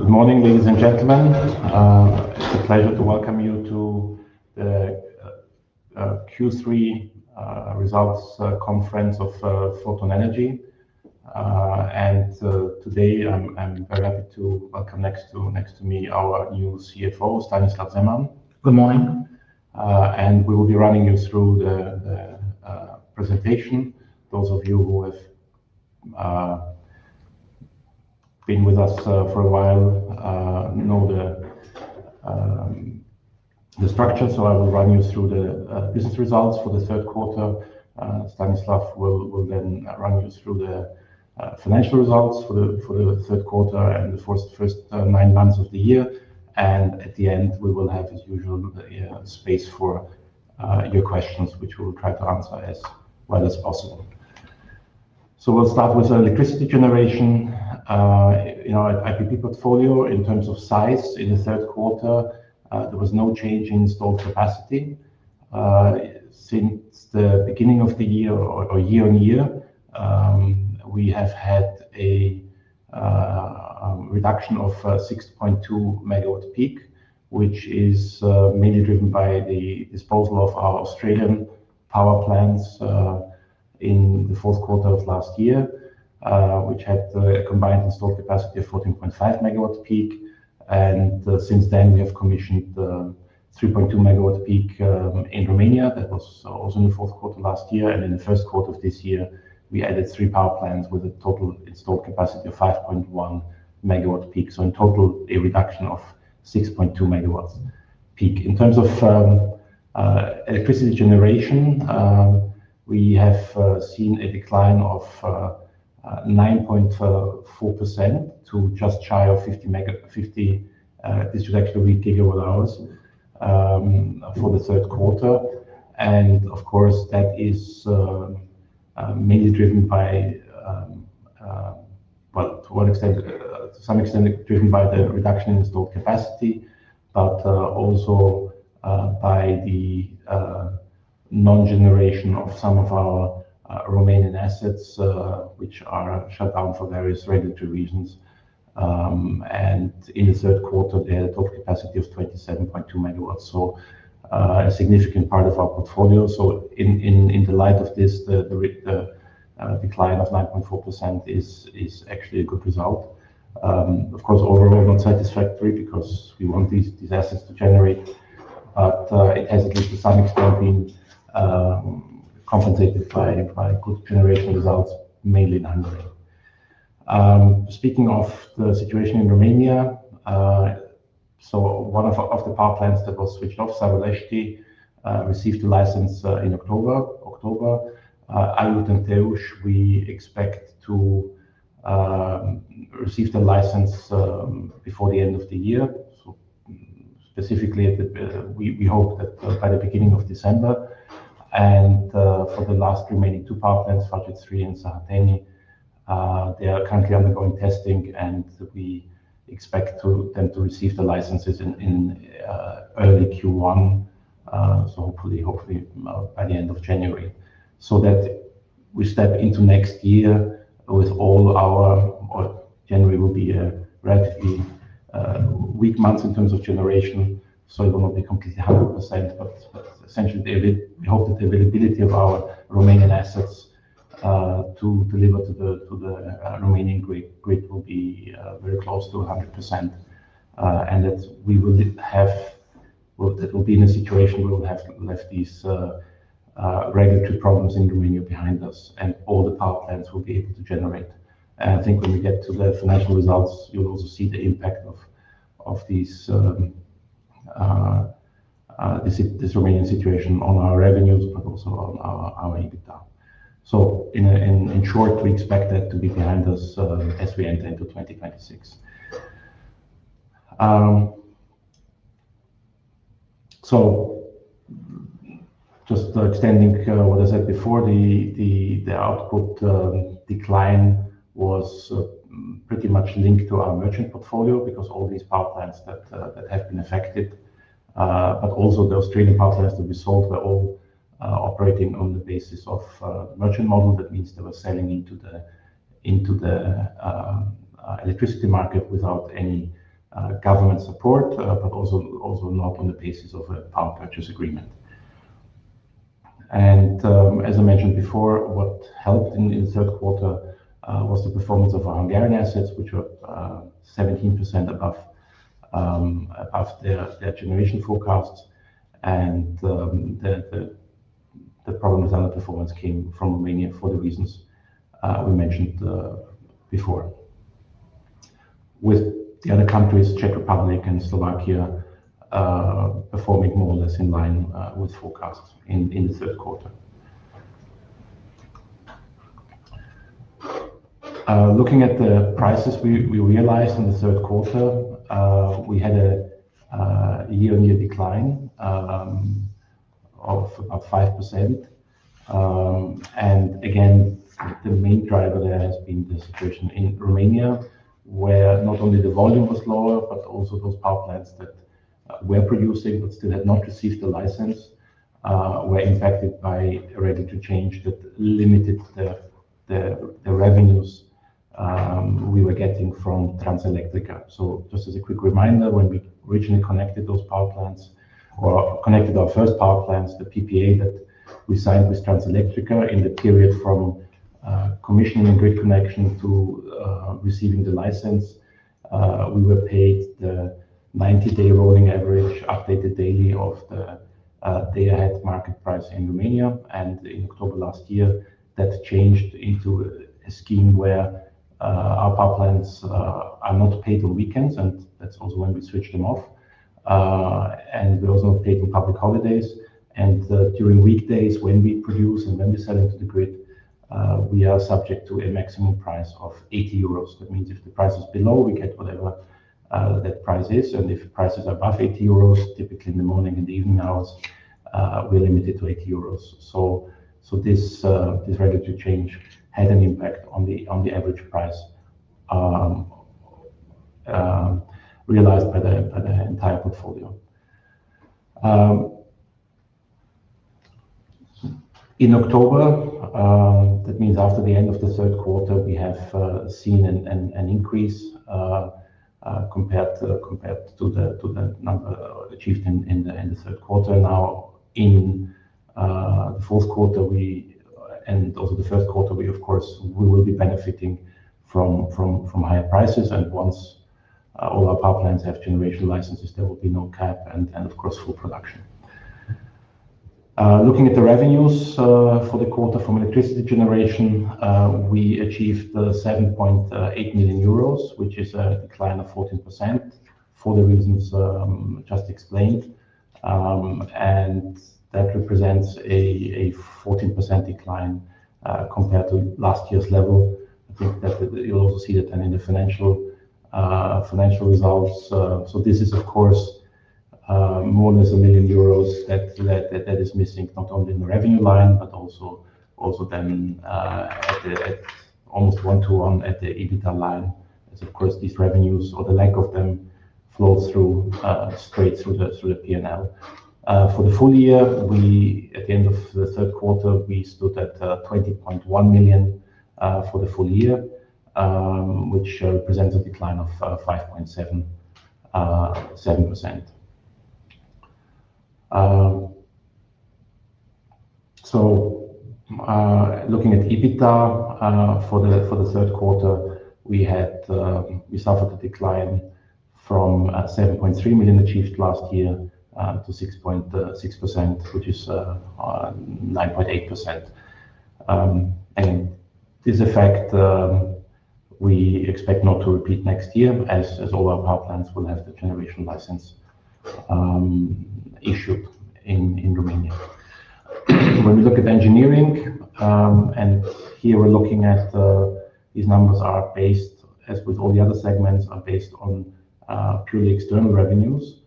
Good morning, ladies and gentlemen. It's a pleasure to welcome you to the Q3 results conference of Photon Energy. Today I'm very happy to welcome next to me our new CFO, Stanislav Zeman. Good morning. And we will be running you through the, the, presentation. Those of you who have, been with us, for a while, know the, the structure. I will run you through the, business results for the third quarter. Stanislav will, will then run you through the, financial results for the, for the third quarter and the first, first, nine months of the year. At the end, we will have, as usual, space for, your questions, which we will try to answer as well as possible. We will start with electricity generation. You know, at IPP portfolio, in terms of size in the third quarter, there was no change in installed capacity. Since the beginning of the year, or year-on-year, we have had a reduction of 6.2 MW peak, which is mainly driven by the disposal of our Australian power plants in the fourth quarter of last year, which had a combined installed capacity of 14.5 MW peak. Since then we have commissioned 3.2 MW peak in Romania. That was also in the fourth quarter last year. In the first quarter of this year, we added three power plants with a total installed capacity of 5.1 MW peak. In total, a reduction of 6.2 MW peak. In terms of electricity generation, we have seen a decline of 9.4% to just shy of 50 mega, 50, this is actually KWh, for the third quarter. Of course, that is mainly driven by, well, to one extent, to some extent driven by the reduction in installed capacity, but also by the non-generation of some of our Romanian assets, which are shut down for various regulatory reasons. In the third quarter, they had a total capacity of 27.2 MW. A significant part of our portfolio. In the light of this, the decline of 9.4% is actually a good result. Of course, overall not satisfactory because we want these assets to generate, but it has at least to some extent been compensated by good generation results, mainly in Hungary. Speaking of the situation in Romania, one of the power plants that was switched off, Savulesti, received a license in October. I would not [their wish we]. We expect to receive the license before the end of the year. Specifically, we hope that by the beginning of December. For the last remaining two power plants, [Farjit Sri] and Săhăteni, they are currently undergoing testing, and we expect them to receive the licenses in early Q1, hopefully by the end of January. That way we step into next year with all our, or January will be a relatively weak month in terms of generation. It will not be completely 100%, but essentially, we hope that the availability of our Romanian assets to deliver to the Romanian grid will be very close to 100%. We will be in a situation where we will have left these regulatory problems in Romania behind us, and all the power plants will be able to generate. I think when we get to the financial results, you will also see the impact of this Romanian situation on our revenues, but also on our EBITDA. In short, we expect that to be behind us as we enter into 2026. Just extending what I said before, the output decline was pretty much linked to our merchant portfolio because all these power plants that have been affected, but also those training power plants that we sold, were all operating on the basis of the merchant model. That means they were selling into the electricity market without any government support, but also not on the basis of a power purchase agreement. As I mentioned before, what helped in the third quarter was the performance of our Hungarian assets, which were 17% above their generation forecasts. The problem with other performance came from Romania for the reasons we mentioned before, with the other countries, the Czech Republic and Slovakia, performing more or less in line with forecasts in the third quarter. Looking at the prices we realized in the third quarter, we had a year-on-year decline of about 5%. Again, the main driver there has been the situation in Romania, where not only the volume was lower, but also those power plants that were producing, but still had not received the license, were impacted by a regulatory change that limited the revenues we were getting from Transelectrica. Just as a quick reminder, when we originally connected those power plants or connected our first power plants, the PPA that we signed with Transelectrica in the period from commissioning grid connection to receiving the license, we were paid the 90-day rolling average updated daily of the day-ahead market price in Romania. In October last year, that changed into a scheme where our power plants are not paid on weekends. That is also when we switched them off. We are also not paid on public holidays. During weekdays, when we produce and when we sell into the grid, we are subject to a maximum price of 80 euros. That means if the price is below, we get whatever that price is. If prices are above 80 euros, typically in the morning and the evening hours, we are limited to 80 euros. This regulatory change had an impact on the average price realized by the entire portfolio. In October, that means after the end of the third quarter, we have seen an increase compared to the number achieved in the third quarter. Now, in the fourth quarter, and also the first quarter, we, of course, will be benefiting from higher prices. Once all our power plants have generation licenses, there will be no cap and, of course, full production. Looking at the revenues for the quarter from electricity generation, we achieved 7.8 million euros, which is a decline of 14% for the reasons just explained. That represents a 14% decline compared to last year's level. I think that you'll also see that in the financial results. This is, of course, more than 1 million euros that is missing not only in the revenue line, but also at almost one-to-one at the EBITDA line, as these revenues or the lack of them flow straight through the P&L. For the full year, we, at the end of the third quarter, we stood at 20.1 million for the full year, which represents a decline of 5.7%-7%. Looking at EBITDA, for the third quarter, we suffered a decline from 7.3 million achieved last year to 6.6 million, which is 9.8%. This effect, we expect not to repeat next year as all our power plants will have the generation license issued in Romania. When we look at engineering, and here we're looking at, these numbers are based, as with all the other segments, are based on purely external revenues.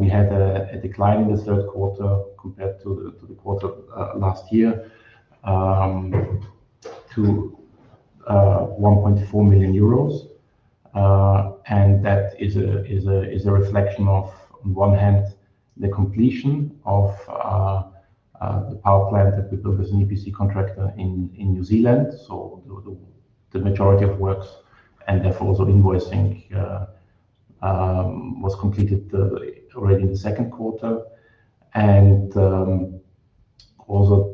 We had a decline in the third quarter compared to the quarter last year, to 1.4 million euros. That is a reflection of, on one hand, the completion of the power plant that we built as an EPC contractor in New Zealand. The majority of works and therefore also invoicing was completed already in the second quarter. Also,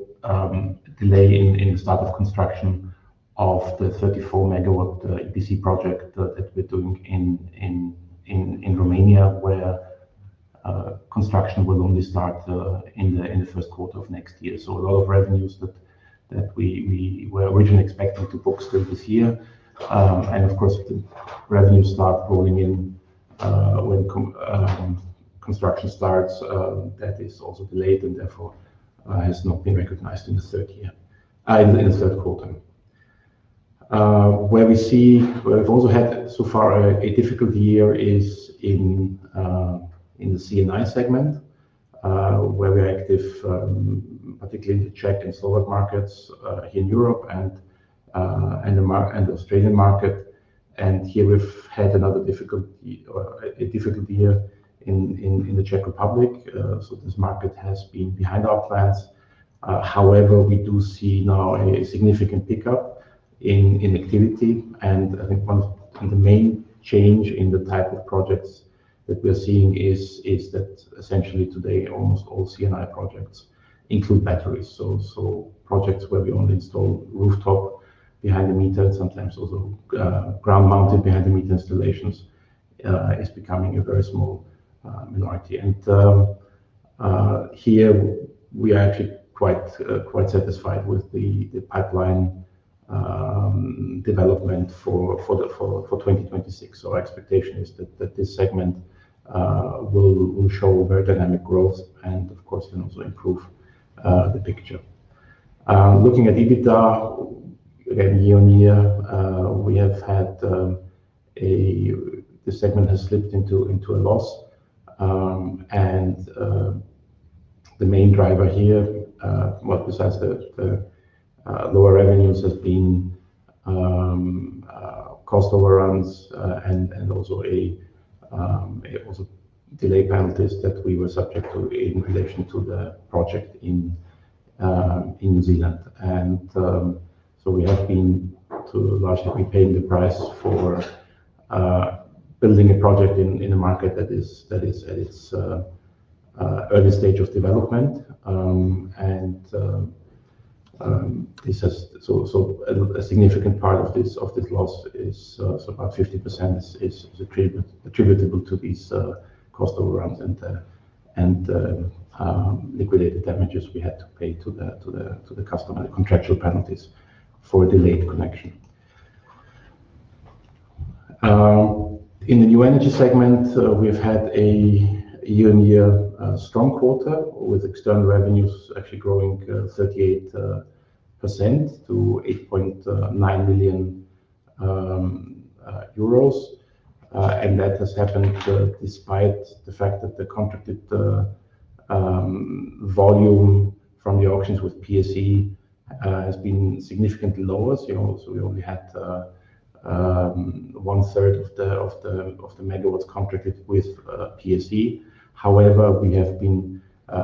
delay in the start of construction of the 34 MW EPC project that we're doing in Romania, where construction will only start in the first quarter of next year. A lot of revenues that we were originally expecting to book still this year, and of course, the revenue starts rolling in when construction starts, that is also delayed and therefore has not been recognized in the third quarter. Where we see, where we've also had so far a difficult year is in the C&I segment, where we are active, particularly in the Czech and Slovak markets, here in Europe and the Australian market. Here we've had another difficult year in the Czech Republic. This market has been behind our plans. However, we do see now a significant pickup in activity. I think one of the main changes in the type of projects that we're seeing is that essentially today almost all C&I projects include batteries. Projects where we only install rooftop behind the meter and sometimes also ground mounted behind the meter installations is becoming a very small minority. Here we are actually quite satisfied with the pipeline development for 2026. Our expectation is that this segment will show very dynamic growth and of course can also improve the picture. Looking at EBITDA, again, year-on-year, we have had this segment has slipped into a loss. The main driver here, besides the lower revenues, has been cost overruns and also delay penalties that we were subject to in relation to the project in New Zealand. We have largely paid the price for building a project in a market that is at its early stage of development. This has, so a significant part of this loss is, about 50% is attributable to these cost overruns and the liquidated damages we had to pay to the customer, the contractual penalties for a delayed connection. In the new energy segment, we've had a year-on-year strong quarter with external revenues actually growing 38% to 8.9 million euros. That has happened despite the fact that the contracted volume from the auctions with PSE has been significantly lower. We only had 1/3 of the MW contracted with PSE. However, we have been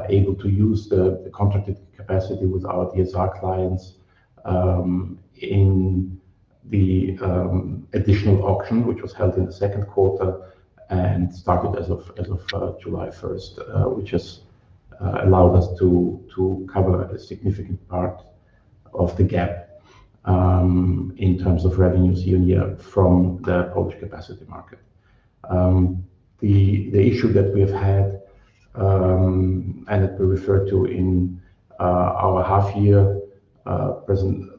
able to use the contracted capacity with our DSR clients in the additional auction, which was held in the second quarter and started as of July 1st, which has allowed us to cover a significant part of the gap in terms of revenues year-on-year from the Polish capacity market. The issue that we have had, and that we referred to in our half year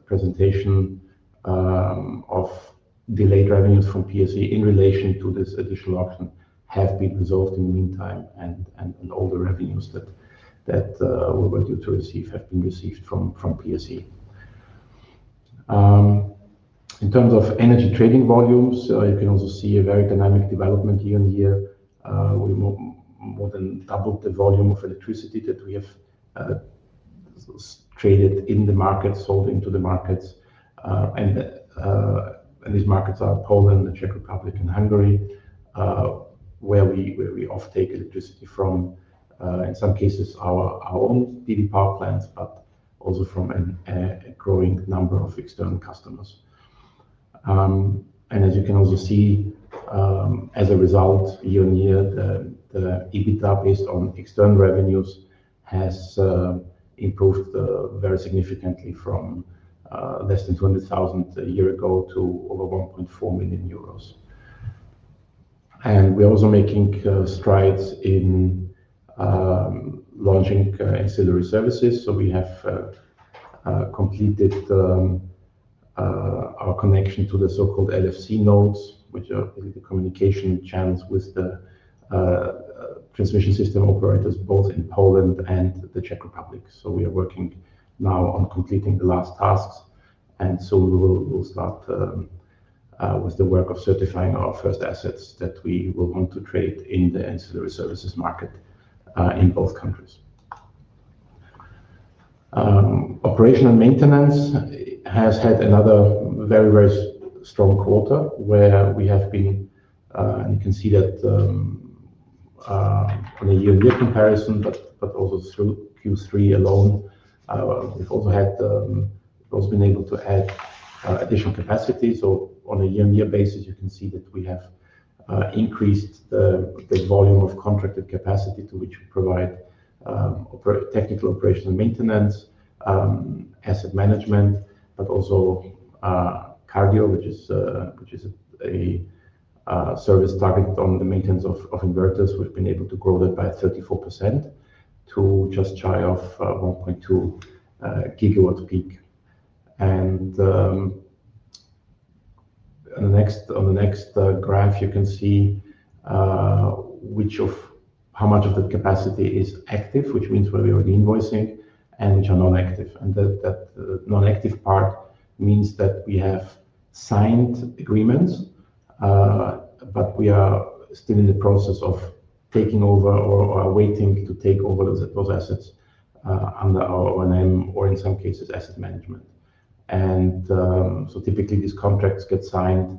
presentation, of delayed revenues from PSE in relation to this additional auction have been resolved in the meantime. All the revenues that we were due to receive have been received from PSE. In terms of energy trading volumes, you can also see a very dynamic development year-on-year. We more than doubled the volume of electricity that we have traded in the markets, sold into the markets. These markets are Poland, the Czech Republic, and Hungary, where we offtake electricity from, in some cases, our own DB power plants, but also from a growing number of external customers. As you can also see, as a result, year-on-year, the EBITDA based on external revenues has improved very significantly from less than 200,000 a year ago to over 1.4 million euros. We are also making strides in launching ancillary services. We have completed our connection to the so-called LFC nodes, which are the communication channels with the transmission system operators both in Poland and the Czech Republic. We are working now on completing the last tasks. We will start with the work of certifying our first assets that we will want to trade in the ancillary services market in both countries. Operational maintenance has had another very, very strong quarter where we have been, and you can see that, on a year-on-year comparison, but also through Q3 alone, we've also had, we've also been able to add additional capacity. On a year-on-year basis, you can see that we have increased the volume of contracted capacity to which we provide technical operational maintenance, asset management, but also [Cardio], which is a service targeted on the maintenance of inverters. We've been able to grow that by 34% to just shy of 1.2 GW peak. On the next paragraph, you can see which of how much of the capacity is active, which means where we are invoicing and which are non-active. That non-active part means that we have signed agreements, but we are still in the process of taking over or awaiting to take over those assets, under our own name or in some cases asset management. Typically these contracts get signed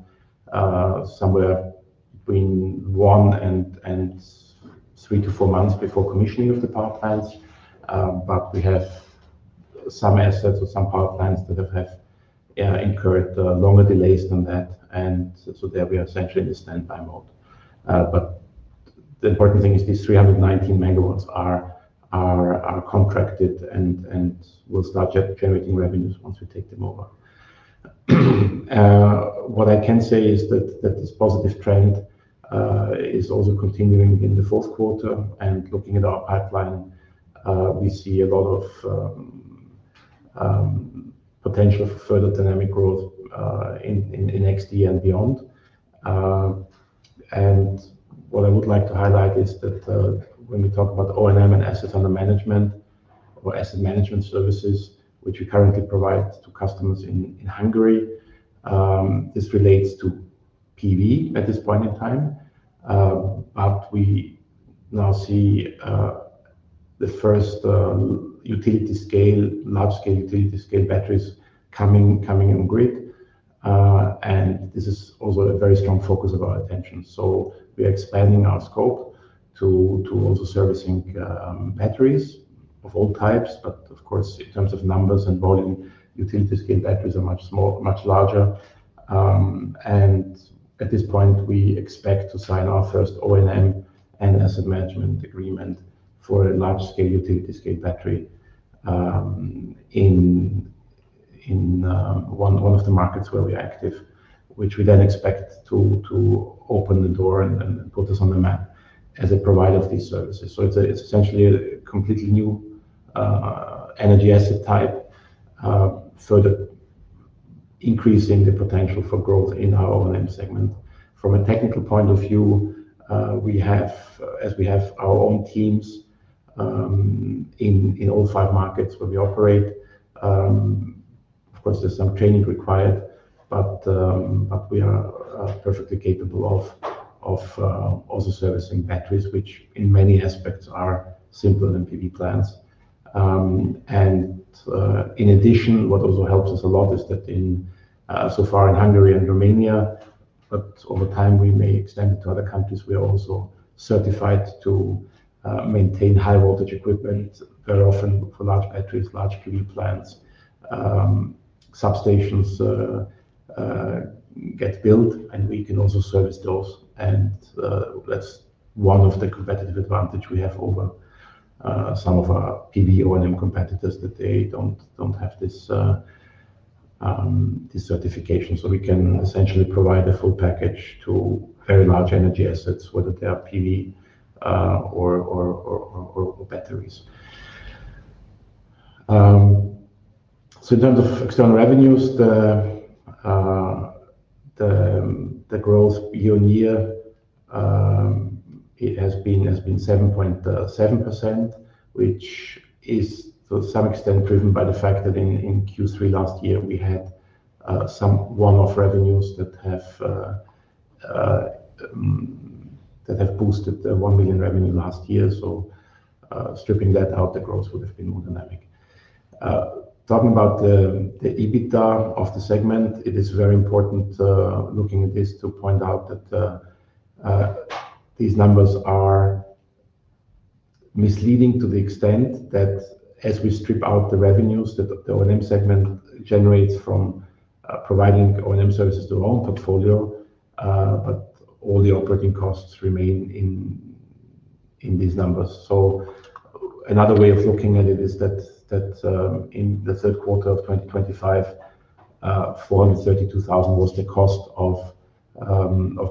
somewhere between one and three-four months before commissioning of the power plants. We have some assets or some power plants that have incurred longer delays than that. There we are essentially in the standby mode. The important thing is these 319 MW are contracted and will start generating revenues once we take them over. What I can say is that this positive trend is also continuing in the fourth quarter. Looking at our pipeline, we see a lot of potential for further dynamic growth in [XD] and beyond. What I would like to highlight is that, when we talk about O&M and asset under management or asset management services, which we currently provide to customers in Hungary, this relates to PV at this point in time. We now see the first utility scale, large scale utility scale batteries coming on grid. This is also a very strong focus of our attention. We are expanding our scope to also servicing batteries of all types. Of course, in terms of numbers and volume, utility scale batteries are much smaller, much larger. At this point, we expect to sign our first O&M and asset management agreement for a large-scale utility-scale battery in one of the markets where we are active, which we then expect to open the door and put us on the map as a provider of these services. It is essentially a completely new energy asset type, further increasing the potential for growth in our O&M segment. From a technical point of view, we have our own teams in all five markets where we operate. Of course, there is some training required, but we are perfectly capable of also servicing batteries, which in many aspects are simpler than PV plants. In addition, what also helps us a lot is that, so far in Hungary and Romania, but over time we may extend it to other countries, we are also certified to maintain high voltage equipment. Very often for large batteries, large PV plants, substations get built and we can also service those. That is one of the competitive advantages we have over some of our PV O&M competitors, that they do not have this certification. We can essentially provide a full package to very large energy assets, whether they are PV or batteries. In terms of external revenues, the growth year-on-year has been 7.7%, which is to some extent driven by the fact that in Q3 last year we had some one-off revenues that have boosted the 1 million revenue last year. Stripping that out, the growth would have been more dynamic. Talking about the EBITDA of the segment, it is very important, looking at this, to point out that these numbers are misleading to the extent that as we strip out the revenues that the O&M segment generates from providing O&M services to our own portfolio, all the operating costs remain in these numbers. Another way of looking at it is that in the third quarter of 2025, 432,000 was the cost of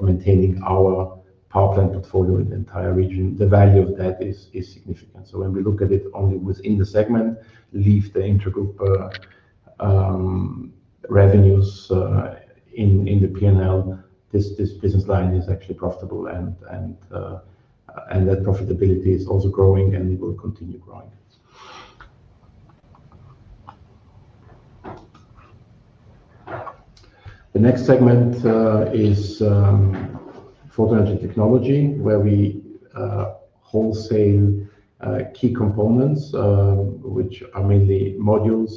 maintaining our power plant portfolio in the entire region. The value of that is, is significant. When we look at it only within the segment, leave the intergroup revenues in the P&L, this business line is actually profitable and that profitability is also growing and will continue growing. The next segment is Photon Energy Technology where we wholesale key components, which are mainly modules,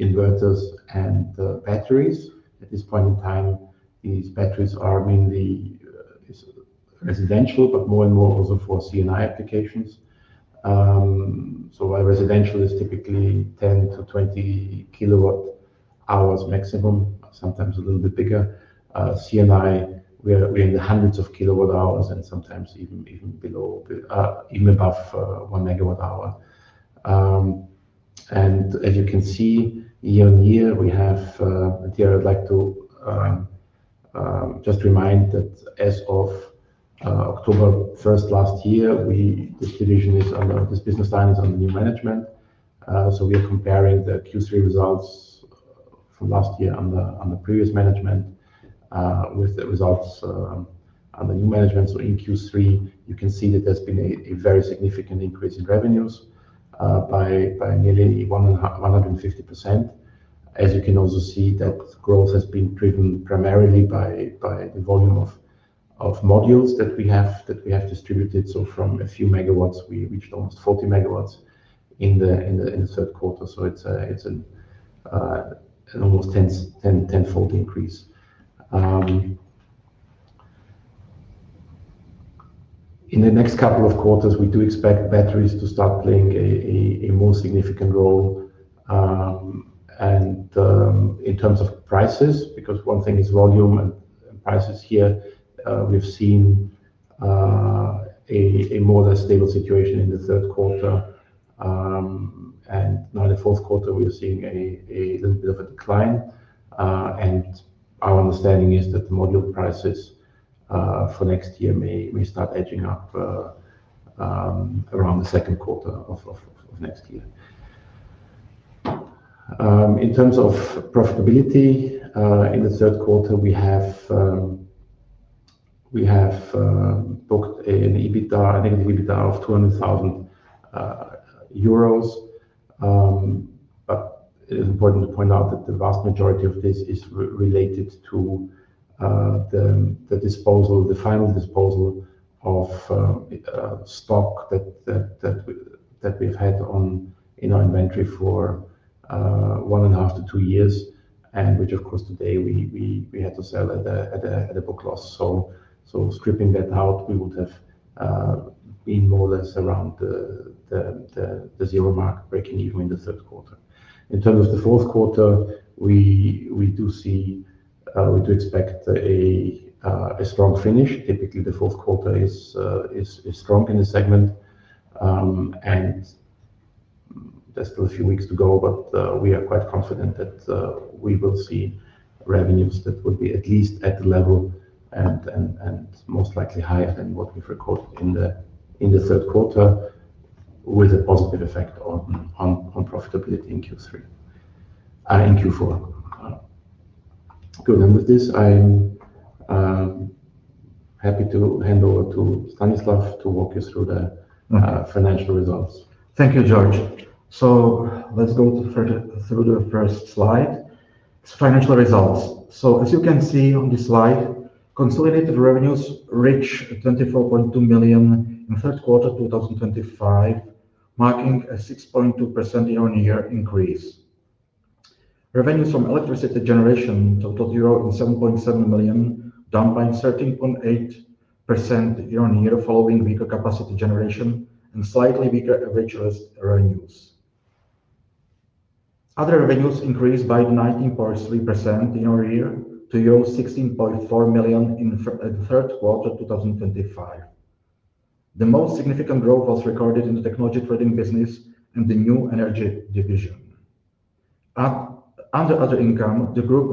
inverters, and batteries. At this point in time, these batteries are mainly residential, but more and more also for C&I applications. While residential is typically 10 KWh-20 KWh maximum, sometimes a little bit bigger, C&I, we're in the hundreds of KWh and sometimes even below, even above, 1 MWh. As you can see year-on-year, we have, and here I'd like to just remind that as of October 1st last year, this division is under, this business line is under new management. We are comparing the Q3 results from last year under previous management with the results under new management. In Q3, you can see that there's been a very significant increase in revenues, by nearly 150%. As you can also see, that growth has been driven primarily by the volume of modules that we have distributed. From a few MW, we reached almost 40 MW in the third quarter. It's an almost 10-fold increase. In the next couple of quarters, we do expect batteries to start playing a more significant role. In terms of prices, because one thing is volume and prices here, we've seen a more or less stable situation in the third quarter. Now the fourth quarter, we are seeing a little bit of a decline. Our understanding is that the module prices for next year may start edging up around the second quarter of next year. In terms of profitability, in the third quarter, we have booked a negative EBITDA of 200,000 euros. It is important to point out that the vast majority of this is related to the disposal, the final disposal of stock that we have had in our inventory for one and a half years-two years, and which of course today we had to sell at a book loss. Stripping that out, we would have been more or less around the zero mark, breaking even in the third quarter. In terms of the fourth quarter, we do expect a strong finish. Typically, the fourth quarter is strong in the segment, and there are still a few weeks to go, but we are quite confident that we will see revenues that would be at least at the level and most likely higher than what we have recorded in the third quarter, with a positive effect on profitability in Q4. Good. With this, I am happy to hand over to Stanislav to walk you through the financial results. Thank you, Georg. Let's go through the first slide. It is financial results. As you can see on this slide, consolidated revenues reached 24.2 million in third quarter 2025, marking a 6.2% year-on-year increase. Revenues from electricity generation totaled 7.7 million, down by 13.8% year-on-year following weaker capacity generation and slightly weaker average revenues. Other revenues increased by 19.3% year-on-year to 16.4 million in the third quarter 2025. The most significant growth was recorded in the technology trading business and the new energy division. Under other income, the group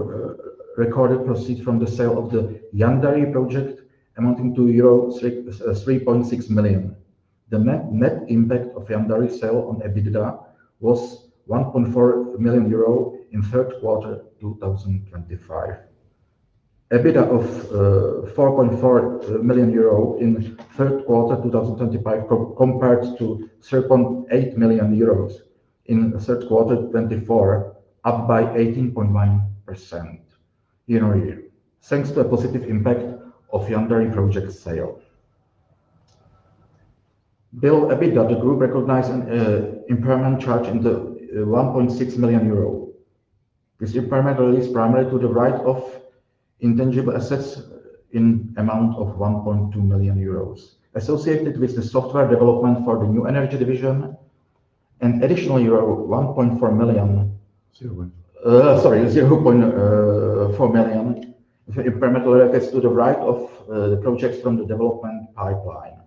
recorded profits from the sale of the Yadnarie Project amounting to euro 3.6 million. The net impact of the Yadnarie sale on EBITDA was 1.4 million euro in third quarter 2025. EBITDA of 4.4 million euros in third quarter 2025 compared to 0.8 million euros in third quarter 2024, up by 18.1% year-on-year, thanks to a positive impact of the Yadnarie Project sale. Below EBITDA, the group recognized an impairment charge in the 1.6 million euro. This impairment relates primarily to the right of intangible assets in amount of 1.2 million euros associated with the software development for the new energy division and additional euro 0.4 million impairment related to the right of the projects from the development pipeline.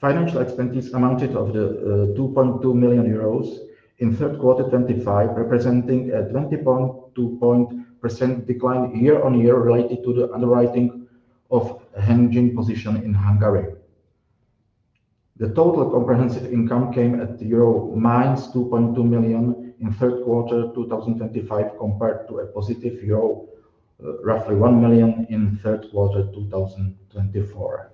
Financial expenditure amounted to 2.2 million euros in third quarter 2025, representing a 20.2% decline year-on-year related to the underwriting of Hengin position in Hungary. The total comprehensive income came at -2.2 million euro in third quarter 2025 compared to a +1 million euro in third quarter 2024.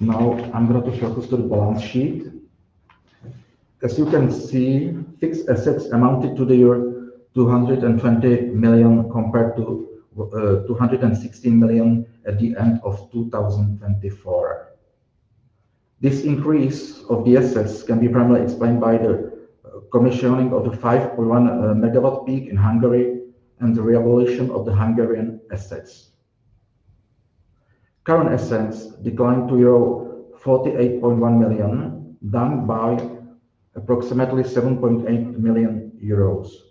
Now I'm going to showcase the balance sheet. As you can see, fixed assets amounted to 220 million compared to 216 million at the end of 2024. This increase of the assets can be primarily explained by the commissioning of the 5.1 MW peak in Hungary and the revaluation of the Hungarian assets. Current assets declined to 48.1 million, down by approximately 7.8 million euros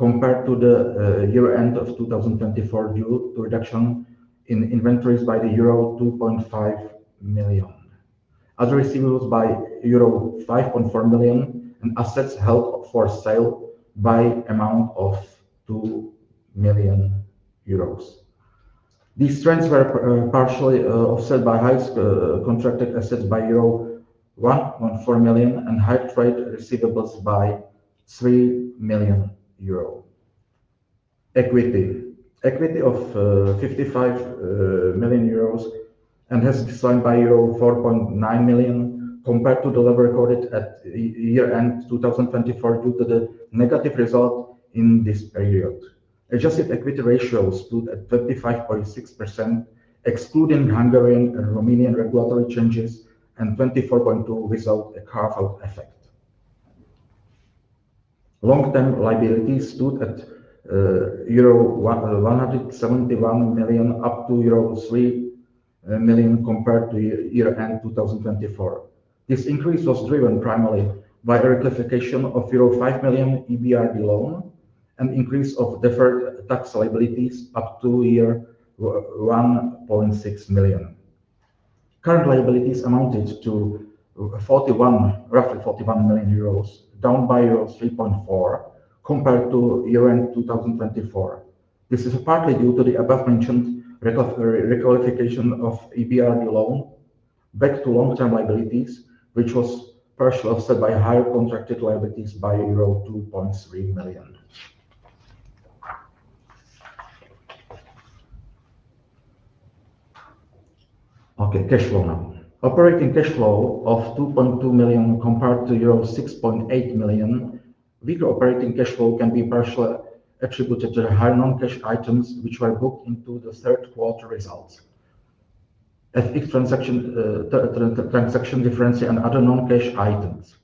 compared to the year end of 2024 due to reduction in inventories by euro 2.5 million, other receivables by euro 5.4 million, and assets held for sale by amount of 2 million euros. These trends were partially offset by higher contracted assets by euro 1.4 million and higher trade receivables by 3 million euro. Equity of 55 million euros has declined by euro 4.9 million compared to the level recorded at year end 2024 due to the negative result in this period. Adjusted equity ratios stood at 25.6% excluding Hungarian and Romanian regulatory changes and 24.2% as a result of a carve-out effect. Long-term liabilities stood at euro 171 million, up to euro 173 million compared to year end 2024. This increase was driven primarily by a reclassification of euro 5 million EBRD loan and increase of deferred tax liabilities up to 1.6 million. Current liabilities amounted to roughly 41 million euros, down by euro 3.4 million compared to year end 2024. This is partly due to the above-mentioned reclassification of EBRD loan back to long-term liabilities, which was partially offset by higher contracted liabilities by euro 2.3 million. Okay, cash flow now. Operating cash flow of 2.2 million compared to euro 6.8 million. Weaker operating cash flow can be partially attributed to the high non-cash items, which were booked into the third quarter results. FX transaction, transaction difference and other non-cash items.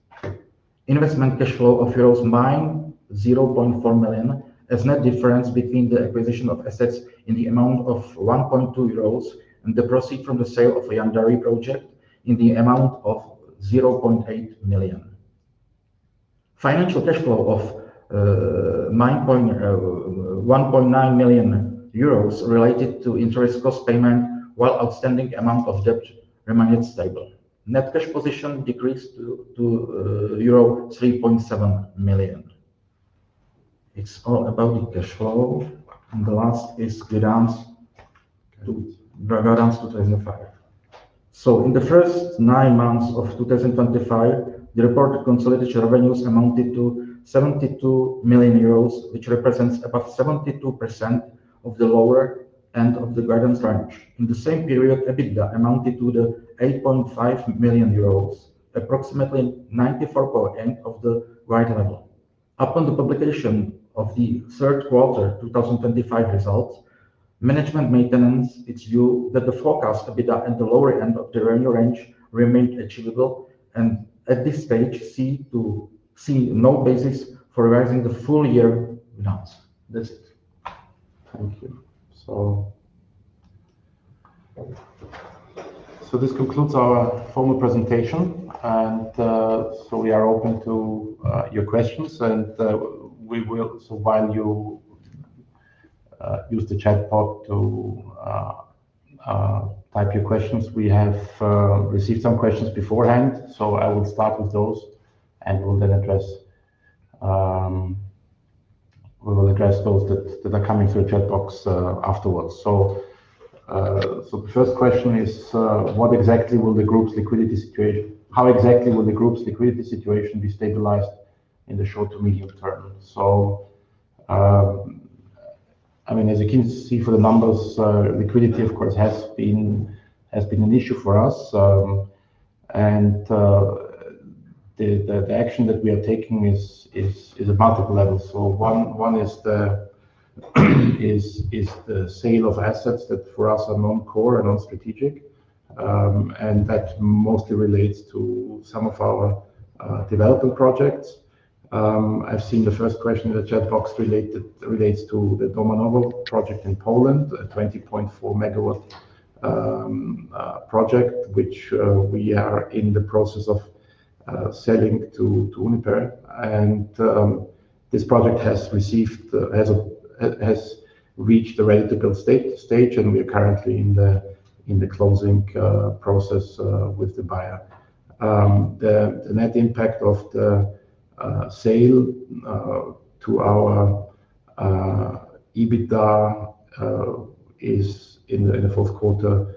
Investment cash flow of zero -0.4 million euros as net difference between the acquisition of assets in the amount of 1.2 million euros and the proceed from the sale of Yadnarie project in the amount of 0.8 million. Financial cash flow of 1.9 million euros related to interest cost payment while outstanding amount of debt remained stable. Net cash position decreased to euro 3.7 million. It's all about the cash flow. The last is guidance to guidance 2025. In the first nine months of 2025, the reported consolidated revenues amounted to 72 million euros, which represents about 72% of the lower end of the guidance range. In the same period, EBITDA amounted to 8.5 million euros, approximately 94% of the right level. Upon the publication of the third quarter 2025 results, management maintains its view that the forecast EBITDA at the lower end of the revenue range remains achievable and at this stage sees no basis for revising the full year announcement. That's it. Thank you. This concludes our formal presentation. We are open to your questions and we will, while you use the chatbot to type your questions, we have received some questions beforehand. I will start with those and we'll then address those that are coming through the chatbox afterwards. The first question is, what exactly will the group's liquidity situation, how exactly will the group's liquidity situation be stabilized in the short to medium term? I mean, as you can see for the numbers, liquidity of course has been an issue for us. The action that we are taking is at multiple levels. One is the sale of assets that for us are non-core and non-strategic, and that mostly relates to some of our development projects. I've seen the first question in the chatbox relates to the Domaňov Project in Poland, a 20.4 MW project, which we are in the process of selling to Uniper. This project has reached the ready to build stage and we are currently in the closing process with the buyer. The net impact of the sale to our EBITDA in the fourth quarter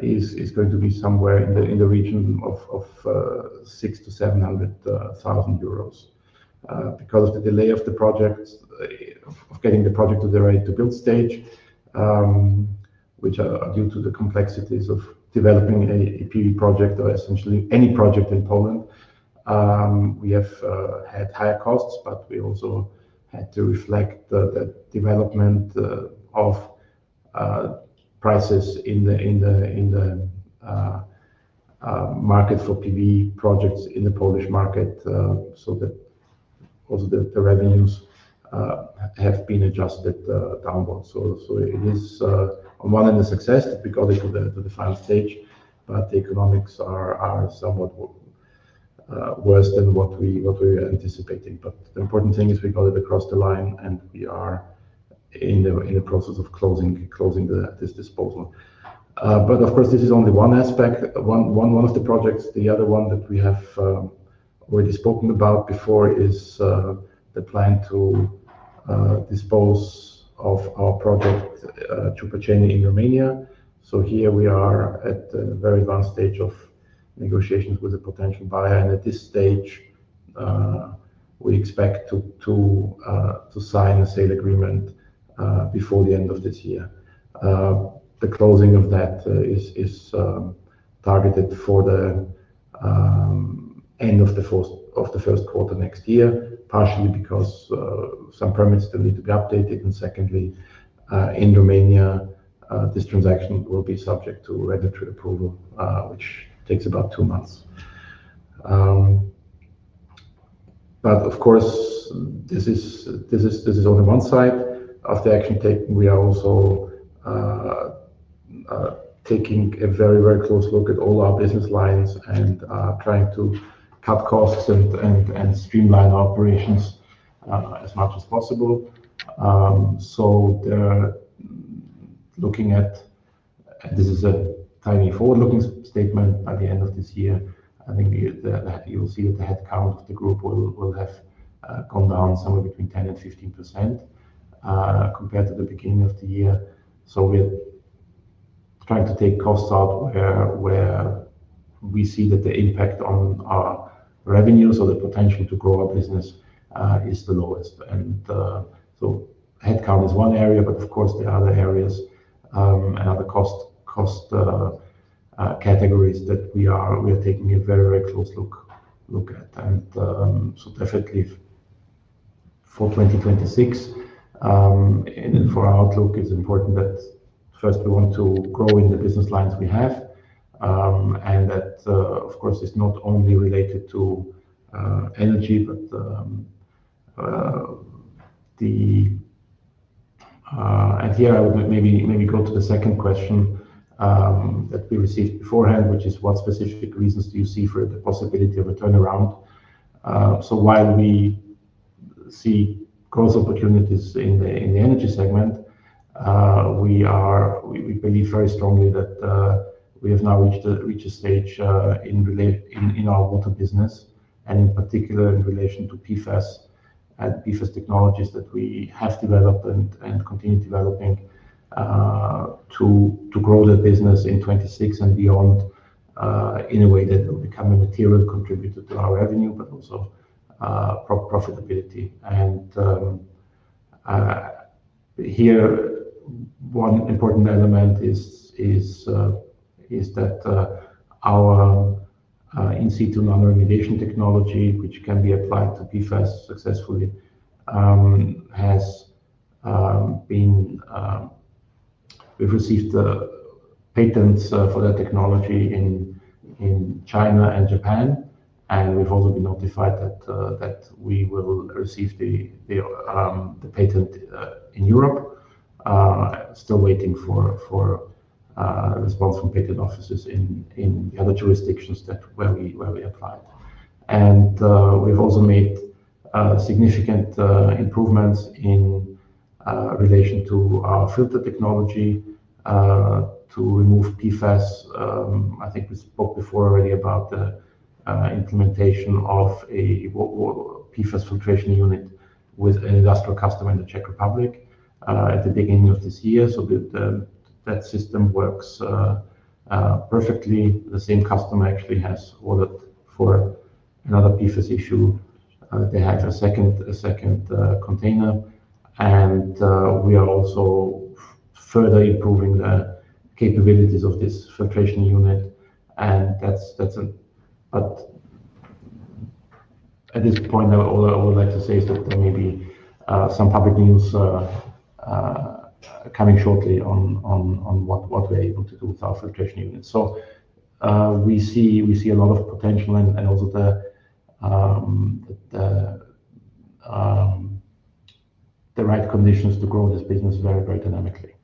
is going to be somewhere in the region of 600,000-700,000 euros. Because of the delay of the project, of getting the project to the ready to build stage, which are due to the complexities of developing a PV project or essentially any project in Poland, we have had higher costs, but we also had to reflect the development of prices in the market for PV projects in the Polish market. That also, the revenues have been adjusted downward. It is, on one end, the success that we got into the final stage, but the economics are somewhat worse than what we were anticipating. The important thing is we got it across the line and we are in the process of closing this disposal. Of course, this is only one aspect, one of the projects. The other one that we have already spoken about before is the plan to dispose of our project Copăceni in Romania. Here we are at a very advanced stage of negotiations with a potential buyer. At this stage, we expect to sign a sale agreement before the end of this year. The closing of that is targeted for the end of the first quarter next year, partially because some permits still need to be updated. Secondly, in Romania, this transaction will be subject to regulatory approval, which takes about two months. Of course, this is only one side of the action taken. We are also taking a very, very close look at all our business lines and trying to cut costs and streamline our operations as much as possible. They're looking at, and this is a tiny forward-looking statement, by the end of this year. I think you'll see that the headcount of the group will have gone down somewhere between 10%-15% compared to the beginning of the year. We're trying to take costs out where we see that the impact on our revenues or the potential to grow our business is the lowest. Headcount is one area, but there are other areas and other cost categories that we are taking a very, very close look at. For 2026, and for our outlook, it's important that first we want to grow in the business lines we have, and that, of course, is not only related to energy. Here I would maybe go to the second question that we received beforehand, which is what specific reasons do you see for the possibility of a turnaround? While we see growth opportunities in the energy segment, we believe very strongly that we have now reached a stage in our water business and in particular in relation to PFAS and PFAS technologies that we have developed and continue developing, to grow the business in 2026 and beyond, in a way that will become a material contributor to our revenue, but also profitability. Here, one important element is that our in-situ non-remediation technology, which can be applied to PFAS successfully, has been, we've received the patents for that technology in China and Japan. We've also been notified that we will receive the patent in Europe. Still waiting for response from patent offices in the other jurisdictions where we applied. We've also made significant improvements in relation to our filter technology to remove PFAS. I think we spoke before already about the implementation of a PFAS filtration unit with an industrial customer in the Czech Republic at the beginning of this year. That system works perfectly. The same customer actually has ordered for another PFAS issue. They have a second container. We are also further improving the capabilities of this filtration unit. At this point, I would like to say that there may be some public news coming shortly on what we are able to do with our filtration unit. We see a lot of potential and also the right conditions to grow this business very dynamically.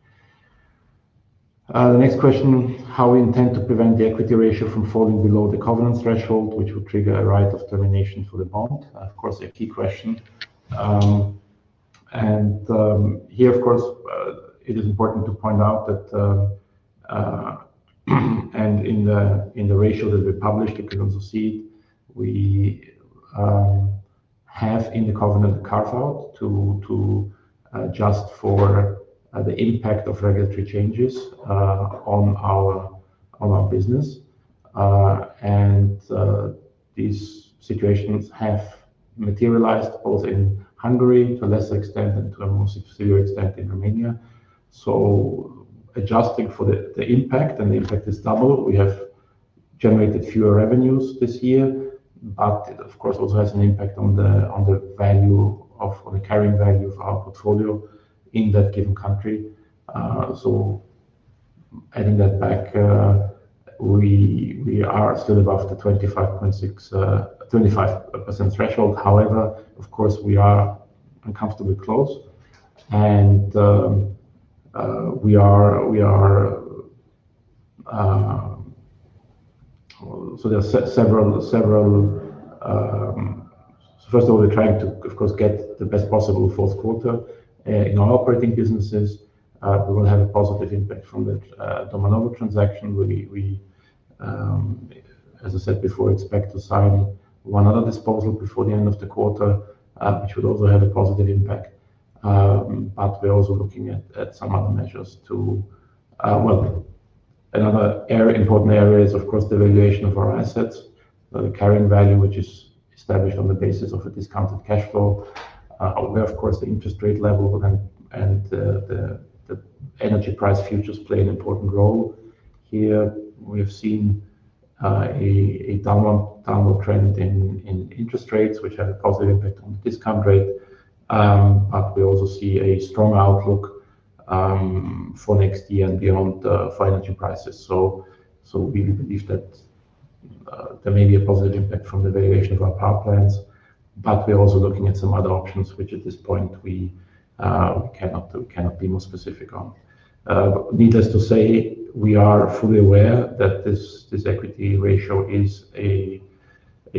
The next question is how we intend to prevent the equity ratio from falling below the covenant threshold, which will trigger a right of termination for the bond. Of course, a key question. Here, of course, it is important to point out that in the ratio that we published, you can also see it, we have in the covenant a carve-out just for the impact of regulatory changes on our business. These situations have materialized both in Hungary to a lesser extent and to a more severe extent in Romania. Adjusting for the impact, and the impact is double. We have generated fewer revenues this year, but of course also has an impact on the value of, on the carrying value of our portfolio in that given country. Adding that back, we are still above the 25% threshold. However, of course we are uncomfortably close. There are several, several, first of all, we are trying to, of course, get the best possible fourth quarter in our operating businesses. We will have a positive impact from the Domaňov Project transaction. As I said before, we expect to sign one other disposal before the end of the quarter, which would also have a positive impact. But we're also looking at some other measures to, well, another area, important area is of course the valuation of our assets, the carrying value, which is established on the basis of a discounted cash flow. Where of course the interest rate level and the energy price futures play an important role here. We have seen a downward trend in interest rates, which have a positive impact on the discount rate. We also see a strong outlook for next year and beyond for energy prices. We believe that there may be a positive impact from the valuation of our power plants, but we're also looking at some other options, which at this point we cannot be more specific on. Needless to say, we are fully aware that this equity ratio is a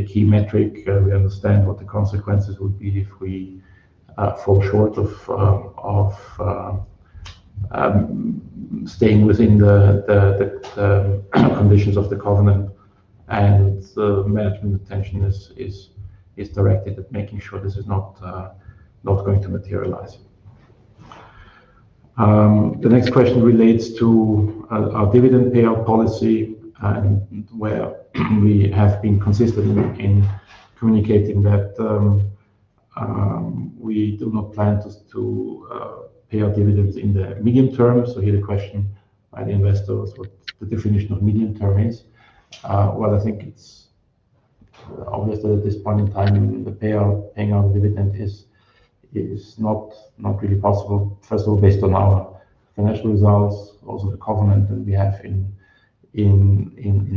key metric. We understand what the consequences would be if we fall short of staying within the conditions of the covenant. The management attention is directed at making sure this is not going to materialize. The next question relates to our dividend payout policy, and where we have been consistent in communicating that we do not plan to pay our dividends in the medium term. Here the question by the investors is what the definition of medium term is. I think it is obvious that at this point in time paying out the dividend is not really possible. First of all, based on our financial results, also the covenant that we have in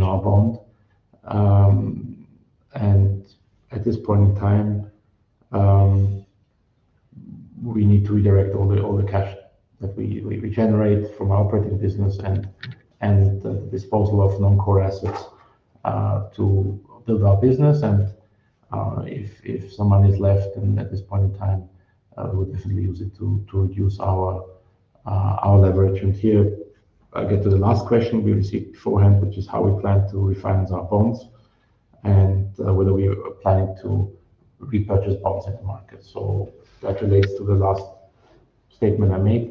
our bond. At this point in time, we need to redirect all the cash that we generate from our operating business and the disposal of non-core assets to build our business. If some is left then at this point in time, we'll definitely use it to reduce our leverage. Here, we get to the last question we received beforehand, which is how we plan to refinance our bonds and whether we are planning to repurchase bonds in the market. That relates to the last statement I made,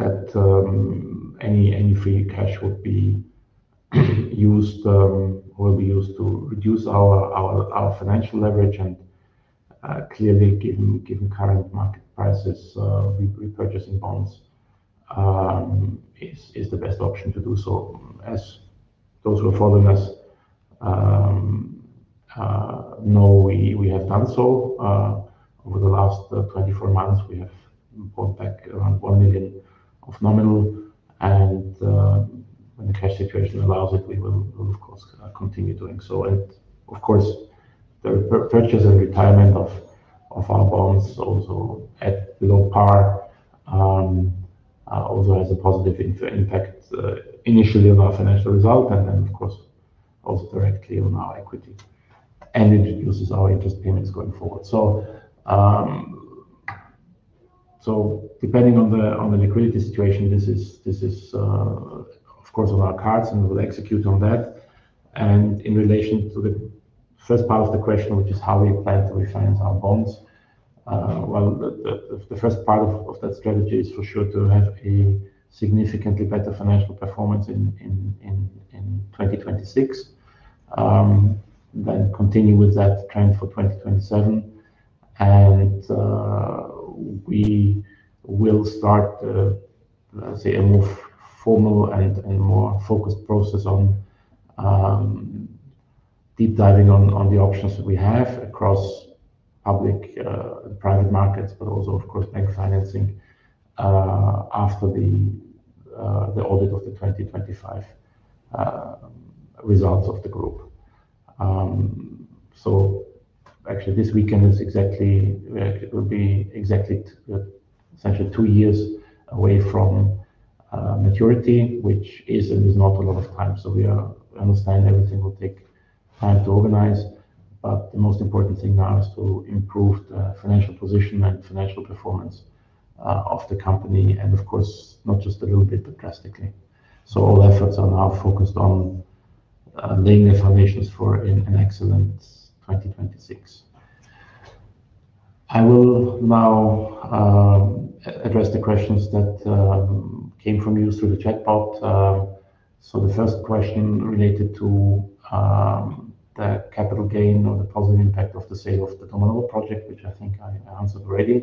that any free cash would be used to reduce our financial leverage and, clearly, given current market prices, repurchasing bonds is the best option to do so. As those who are following us know, we have done so over the last 24 months. We have bought back around 1 million of nominal. When the cash situation allows it, we will, of course, continue doing so. The purchase and retirement of our bonds also at below par also has a positive impact, initially on our financial result and then, of course, also directly on our equity, and it reduces our interest payments going forward. Depending on the liquidity situation, this is, of course, on our cards and we'll execute on that. In relation to the first part of the question, which is how we plan to refinance our bonds, the first part of that strategy is for sure to have a significantly better financial performance in 2026, then continue with that trend for 2027. We will start, let's say, a more formal and more focused process on deep diving on the options that we have across public, private markets, but also of course bank financing, after the audit of the 2025 results of the group. Actually, this weekend will be exactly essentially two years away from maturity, which is and is not a lot of time. We understand everything will take time to organize, but the most important thing now is to improve the financial position and financial performance of the company. Of course not just a little bit, but drastically. All efforts are now focused on laying the foundations for an excellent 2026. I will now address the questions that came from you through the chatbot. The first question related to the capital gain or the positive impact of the sale of the Domaňov project, which I think I answered already.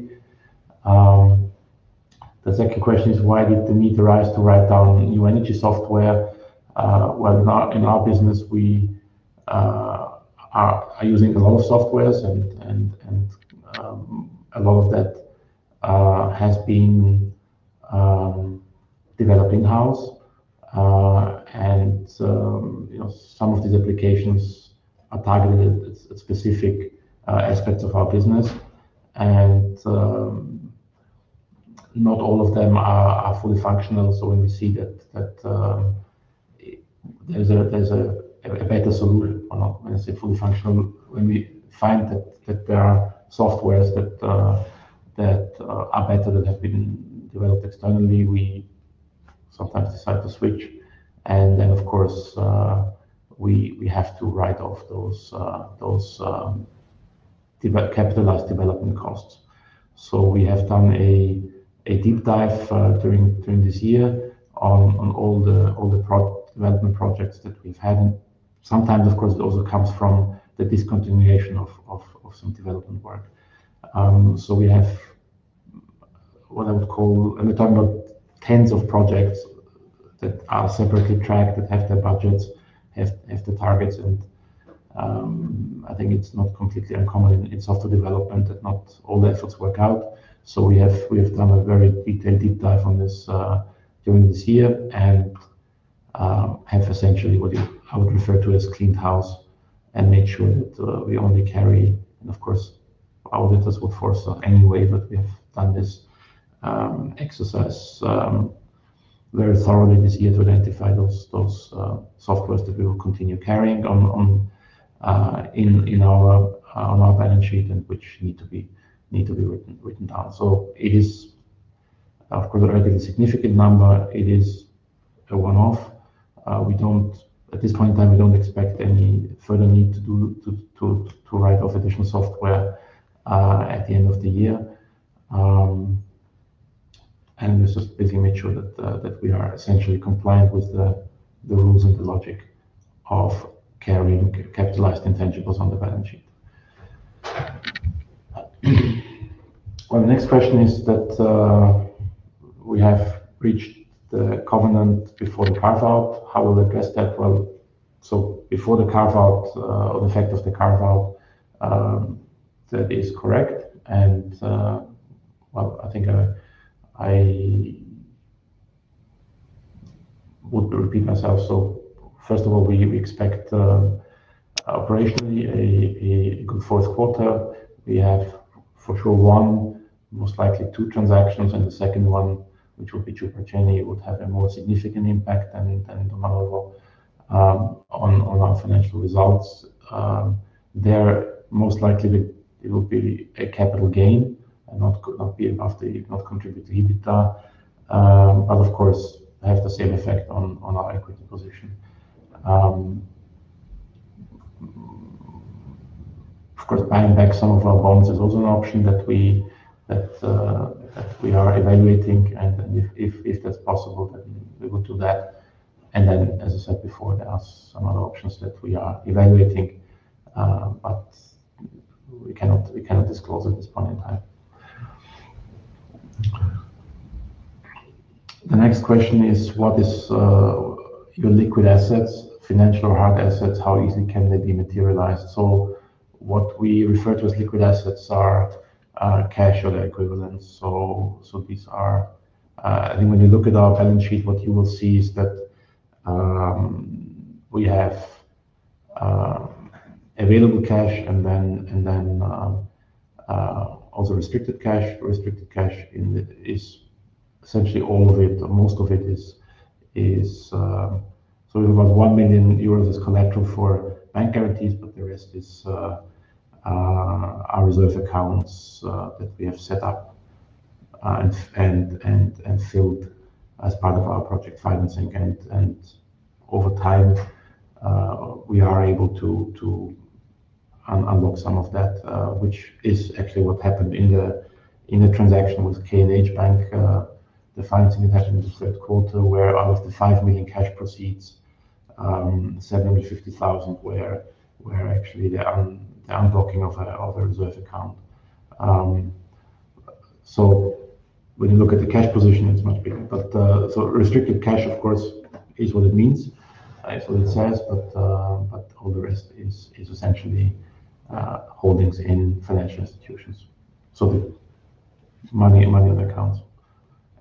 The second question is why did the need arise to write down new energy software? In our business, we are using a lot of software and a lot of that has been developed in-house. You know, some of these applications are targeted at specific aspects of our business and not all of them are fully functional. When we see that there is a better solution or not, when I say fully functional, when we find that there are software that are better that have been developed externally, we sometimes decide to switch. Of course, we have to write off those capitalized development costs. We have done a deep dive during this year on all the development projects that we have had. Sometimes it also comes from the discontinuation of some development work. We have what I would call, and we are talking about tens of projects that are separately tracked, that have their budgets, have the targets. I think it is not completely uncommon in software development that not all the efforts work out. We have done a very detailed deep dive on this during this year and have essentially what you, I would refer to as cleaned house and made sure that we only carry, and of course auditors would force us anyway, but we have done this exercise very thoroughly this year to identify those softwares that we will continue carrying on our balance sheet and which need to be written down. It is of course a relatively significant number. It is a one-off. At this point in time, we do not expect any further need to write off additional software at the end of the year. We just basically made sure that we are essentially compliant with the rules and the logic of carrying capitalized intangibles on the balance sheet. The next question is that we have reached the covenant before the carve-out. How will we address that? Before the carve-out, on the effect of the carve-out, that is correct. I think I would repeat myself. First of all, we expect operationally a good fourth quarter. We have for sure one, most likely two transactions. The second one, which will be Copăceni, would have a more significant impact than in Domaňov on our financial results. There most likely it will be a capital gain and not contribute to EBITDA, but of course have the same effect on our equity position. Of course, buying back some of our bonds is also an option that we are evaluating. If that is possible, then we will do that. As I said before, there are some other options that we are evaluating, but we cannot disclose at this point in time. The next question is, what is your liquid assets, financial or hard assets? How easy can they be materialized? What we refer to as liquid assets are cash or their equivalents. I think when you look at our balance sheet, what you will see is that we have available cash and also restricted cash. Restricted cash is essentially all of it, or most of it is, is, we have about 1 million euros as collateral for bank guarantees, but the rest is our reserve accounts that we have set up, and, and, and filled as part of our project financing. And over time, we are able to unlock some of that, which is actually what happened in the transaction with K&H Bank, the financing that happened in the third quarter where out of the 5 million cash proceeds, 750,000 were actually the unlocking of our reserve account. When you look at the cash position, it is much bigger. Restricted cash of course is what it means, is what it says. All the rest is essentially holdings in financial institutions. The money, money on the accounts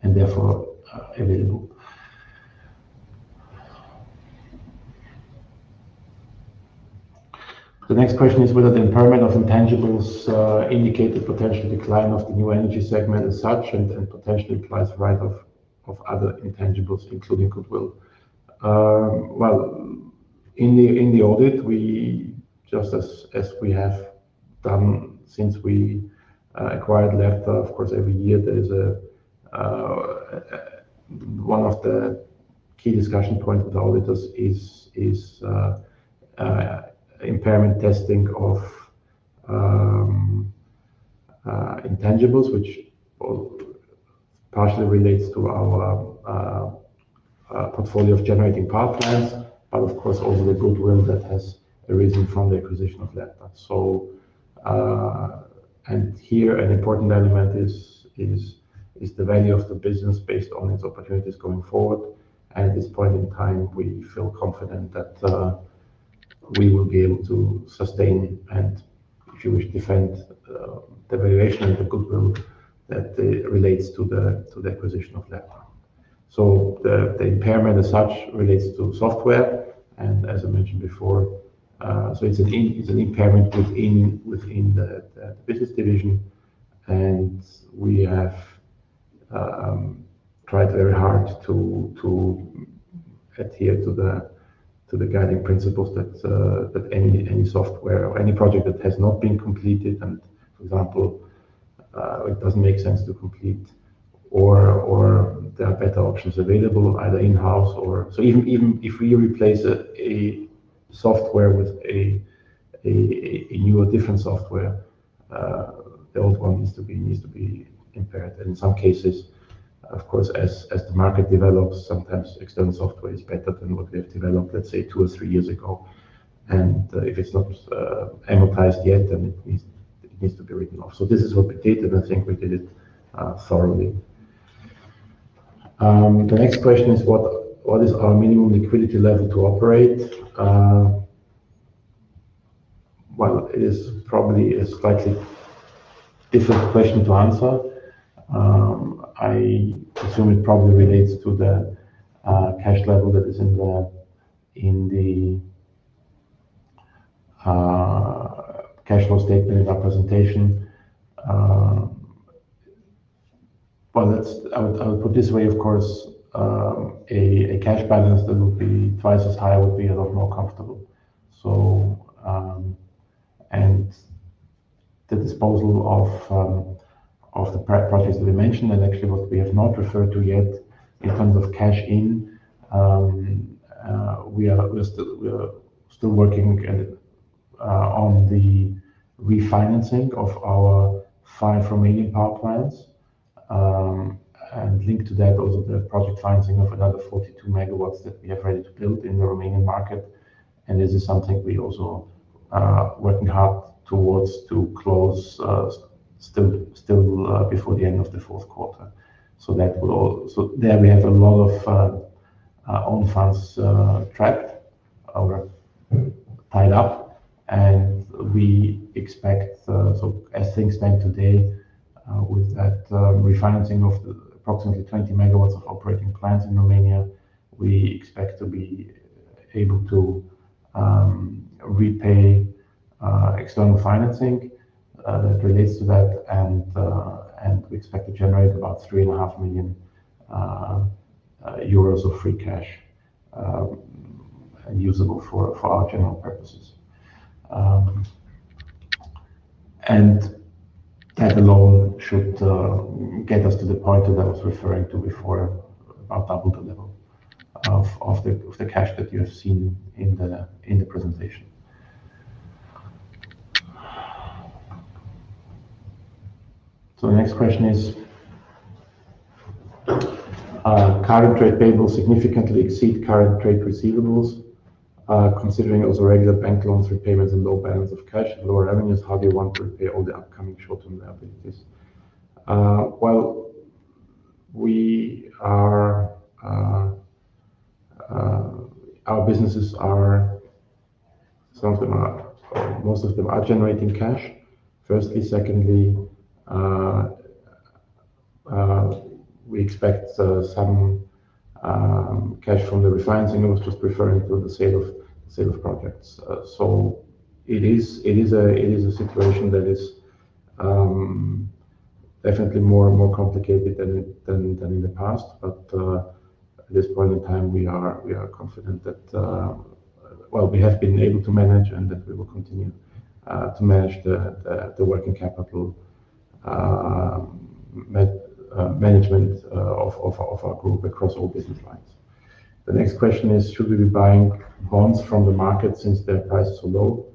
and therefore available. The next question is whether the impairment of intangibles indicate the potential decline of the new energy segment as such and potentially implies the write-off of other intangibles including goodwill. In the audit, just as we have done since we acquired Lerta, of course every year there is a, one of the key discussion points with auditors is impairment testing of intangibles, which partially relates to our portfolio of generating path plans, but of course also the goodwill that has arisen from the acquisition of Lerta. Here an important element is the value of the business based on its opportunities going forward. At this point in time, we feel confident that we will be able to sustain and, if you wish, defend the valuation and the goodwill that relates to the acquisition of Lerta. The impairment as such relates to software. As I mentioned before, it is an impairment within the business division. We have tried very hard to adhere to the guiding principles that any software or any project that has not been completed and, for example, does not make sense to complete or there are better options available either in-house or so even if we replace a software with a new or different software, the old one needs to be impaired. In some cases, of course, as the market develops, sometimes external software is better than what we have developed, let's say two or three years ago. If it's not amortized yet, then it needs to be written off. This is what we did and I think we did it thoroughly. The next question is what is our minimum liquidity level to operate? It is probably a slightly different question to answer. I assume it probably relates to the cash level that is in the cash flow statement and representation. I would put it this way, of course, a cash balance that would be twice as high would be a lot more comfortable. The disposal of the projects that we mentioned and actually what we have not referred to yet in terms of cash in, we are still working on the refinancing of our five Romanian power plants. Linked to that, also the project financing of another 42 MW that we have ready to build in the Romanian market. This is something we are also working hard towards to close, still, before the end of the fourth quarter. There we have a lot of own funds trapped or tied up. We expect, as things stand today, with that refinancing of approximately 20 MW of operating plants in Romania, to be able to repay external financing that relates to that. We expect to generate about 3.5 million euros of free cash, usable for our general purposes. That alone should get us to the point that I was referring to before, about double the level of the cash that you have seen in the presentation. The next question is, current trade payables significantly exceed current trade receivables. Considering those are regular bank loans repayments and low balance of cash and lower revenues, how do you want to repay all the upcoming short-term liabilities? Our businesses are, some of them are, or most of them are generating cash. Firstly, secondly, we expect some cash from the refinancing. I was just referring to the sale of the sale of projects. It is a situation that is definitely more complicated than in the past. At this point in time, we are confident that we have been able to manage and that we will continue to manage the working capital management of our group across all business lines. The next question is, should we be buying bonds from the market since their prices are low?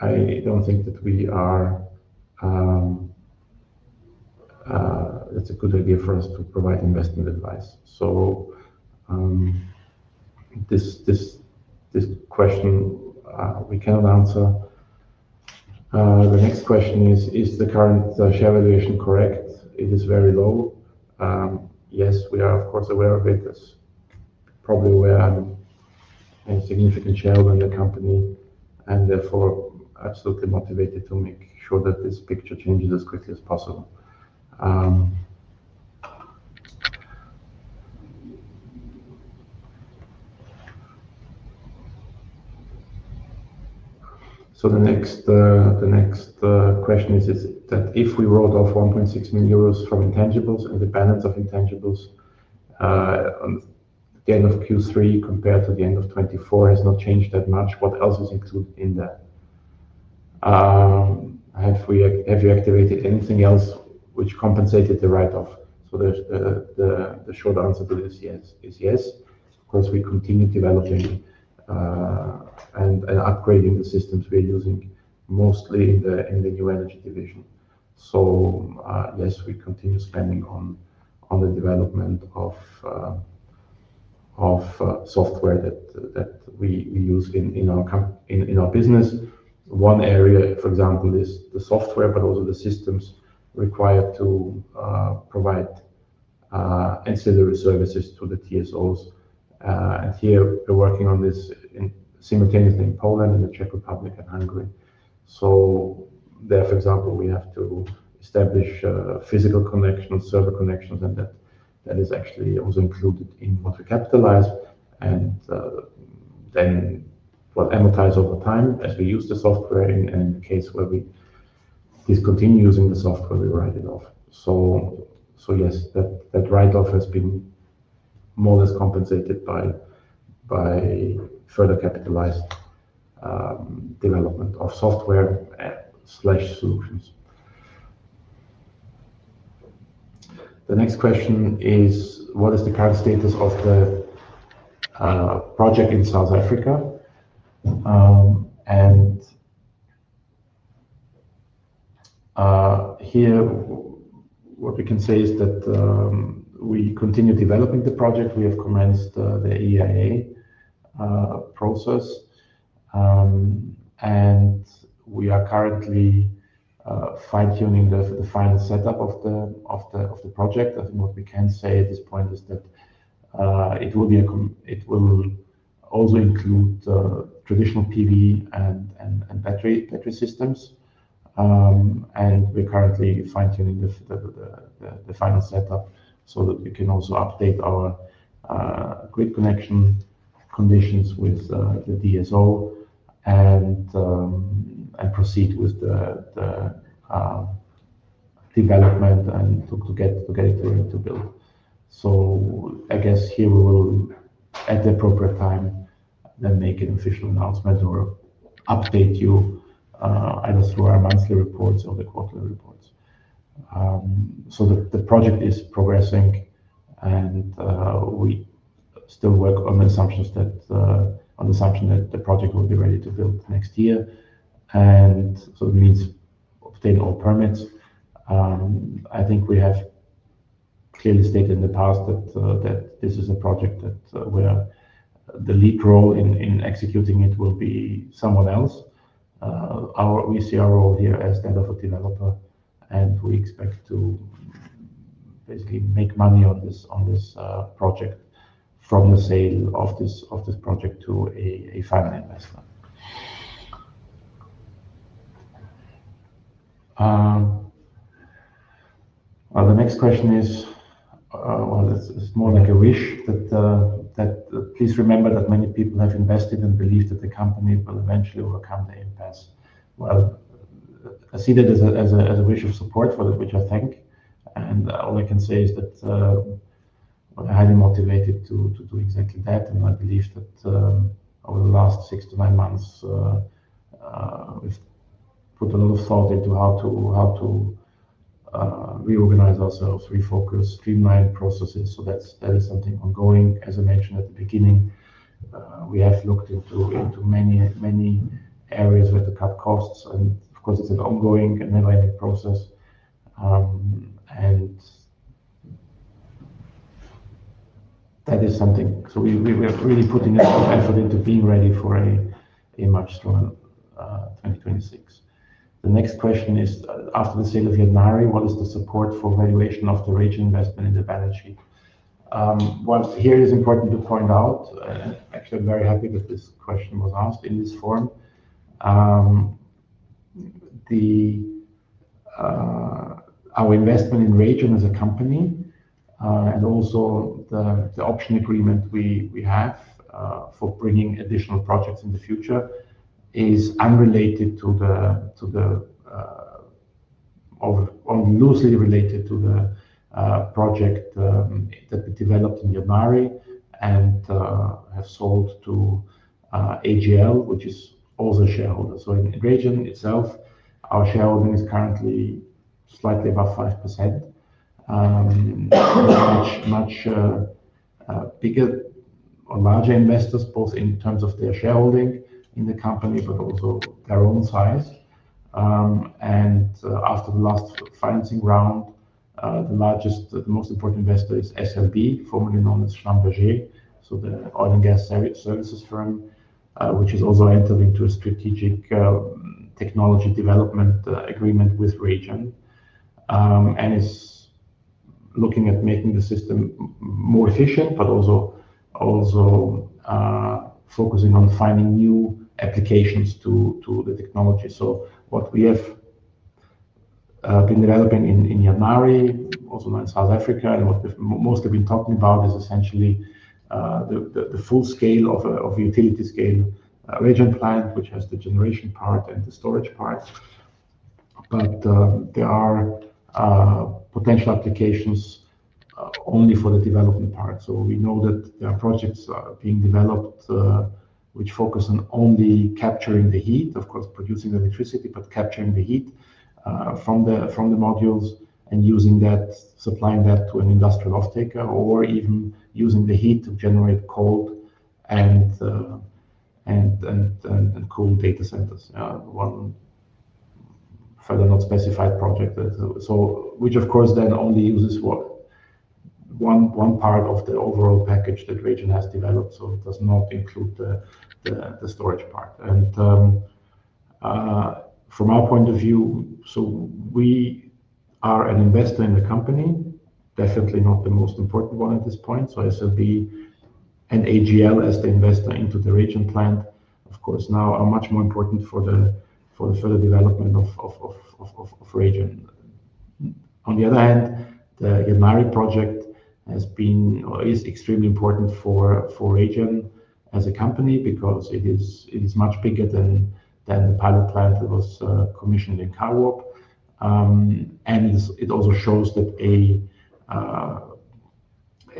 I do not think that it is a good idea for us to provide investment advice. This question, we cannot answer. The next question is, is the current share valuation correct? It is very low. Yes, we are of course aware of it. It's probably where a significant share of the company and therefore absolutely motivated to make sure that this picture changes as quickly as possible. The next question is, is that if we wrote off 1.6 million euros from intangibles and the balance of intangibles at the end of Q3 compared to the end of 2024 has not changed that much, what else is included in that? Have we, have you activated anything else which compensated the write-off? The short answer to this is yes. Of course we continue developing and upgrading the systems we are using mostly in the new energy division. Yes, we continue spending on the development of software that we use in our business. One area, for example, is the software, but also the systems required to provide ancillary services to the TSOs. Here we're working on this simultaneously in Poland and the Czech Republic, and Hungary. There, for example, we have to establish physical connections, server connections, and that is actually also included in what we capitalize. Then what amortizes over time as we use the software, in the case where we discontinue using the software, we write it off. Yes, that write-off has been more or less compensated by further capitalized development of software slash solutions. The next question is, what is the current status of the project in South Africa? Here what we can say is that we continue developing the project. We have commenced the EIA process. We are currently fine-tuning the final setup of the project. I think what we can say at this point is that it will also include traditional PV and battery systems. We are currently fine-tuning the final setup so that we can also update our grid connection conditions with the DSO and proceed with the development to get it to build. I guess here we will, at the appropriate time, then make an official announcement or update you, either through our monthly reports or the quarterly reports. The project is progressing and we still work on the assumption that the project will be ready to build next year. It means obtain all permits. I think we have clearly stated in the past that this is a project that, where the lead role in executing it will be someone else. We see our role here as that of a developer and we expect to basically make money on this project from the sale of this project to a final investor. The next question is, it is more like a wish that, please remember that many people have invested and believe that the company will eventually overcome the impasse. I see that as a wish of support for that, which I thank. All I can say is that we are highly motivated to do exactly that. I believe that, over the last six to nine months, we've put a lot of thought into how to, how to reorganize ourselves, refocus, streamline processes. That is something ongoing. As I mentioned at the beginning, we have looked into many, many areas where to cut costs. Of course it's an ongoing and never-ending process. That is something. We are really putting a lot of effort into being ready for a much stronger 2026. The next question is, after the sale of Yadnarie, what is the support for valuation of the RayGen investment in the balance sheet? Actually, I'm very happy that this question was asked in this form. Our investment in RayGen as a company, and also the option agreement we have for bringing additional projects in the future, is unrelated to or loosely related to the project that we developed in Yadnarie and have sold to AGL, which is also a shareholder. In RayGen itself, our shareholding is currently slightly above 5%. There are much bigger or larger investors, both in terms of their shareholding in the company, but also their own size. After the last financing round, the largest, the most important investor is SLB, formerly known as Schlumberger, the oil and gas services firm, which has also entered into a strategic technology development agreement with RayGen and is looking at making the system more efficient, but also focusing on finding new applications to the technology. What we have been developing in Yadnarie, also known as South Africa, and what we've mostly been talking about is essentially the full scale of a utility scale RayGen plant, which has the generation part and the storage part. There are potential applications only for the development part. We know that there are projects being developed which focus on only capturing the heat, of course producing electricity, but capturing the heat from the modules and using that, supplying that to an industrial offtaker or even using the heat to generate cold and cool data centers. One further not specified project, which of course then only uses one part of the overall package that RayGen has developed. It does not include the storage part. From our point of view, we are an investor in the company, definitely not the most important one at this point. SLB and AGL as the investor into the RayGen plant, of course, now are much more important for the further development of RayGen. On the other hand, the Yadnarie project has been, or is, extremely important for RayGen as a company because it is much bigger than the pilot plant that was commissioned in Carwarp, and it also shows that a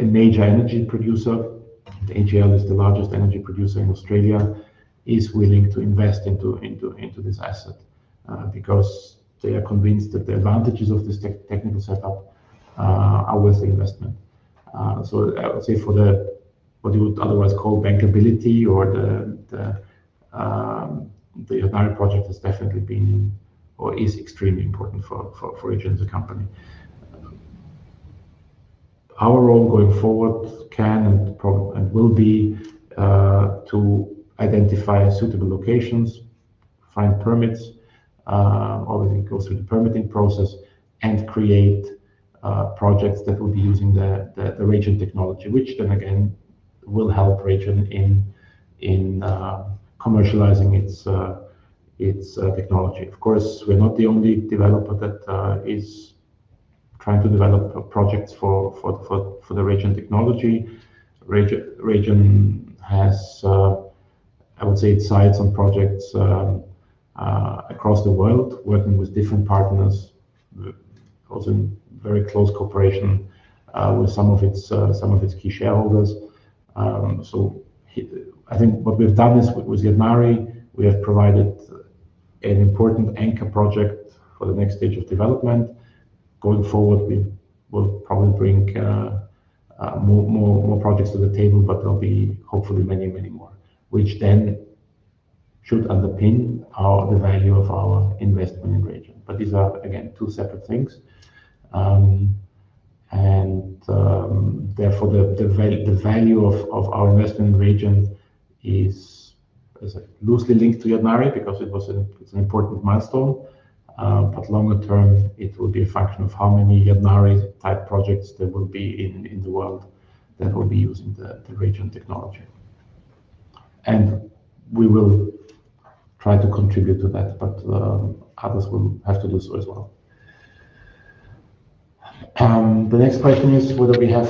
major energy producer, AGL, is the largest energy producer in Australia, is willing to invest into this asset because they are convinced that the advantages of this technical setup are worth the investment. I would say for the, what you would otherwise call bankability or the Yadnarie project has definitely been or is extremely important for RayGen as a company. Our role going forward can and will be to identify suitable locations, find permits, obviously go through the permitting process and create projects that will be using the RayGen technology, which then again will help RayGen in commercializing its technology. Of course, we're not the only developer that is trying to develop projects for the RayGen technology. RayGen has, I would say, its sites and projects across the world working with different partners, also in very close cooperation with some of its key shareholders. I think what we've done is with Yadnarie, we have provided an important anchor project for the next stage of development. Going forward, we will probably bring more, more, more projects to the table, but there will be hopefully many, many more, which then should underpin the value of our investment in RayGen. These are again two separate things, and therefore the value of our investment in RayGen is loosely linked to Yadnarie because it was an important milestone. Longer term, it will be a function of how many Yadnarie-type projects there will be in the world that will be using the RayGen technology. We will try to contribute to that, but others will have to do so as well. The next question is whether we have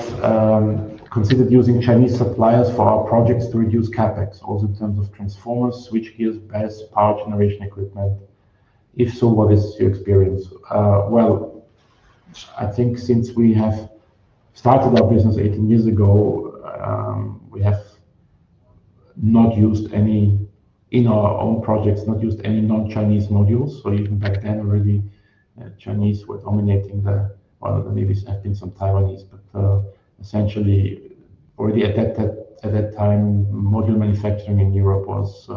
considered using Chinese suppliers for our projects to reduce CapEx, also in terms of transformers, switch gears, best power generation equipment. If so, what is your experience? I think since we have started our business 18 years ago, we have not used any in our own projects, not used any non-Chinese modules. Even back then already, Chinese were dominating the, maybe there have been some Taiwanese, but, essentially already at that time, module manufacturing in Europe was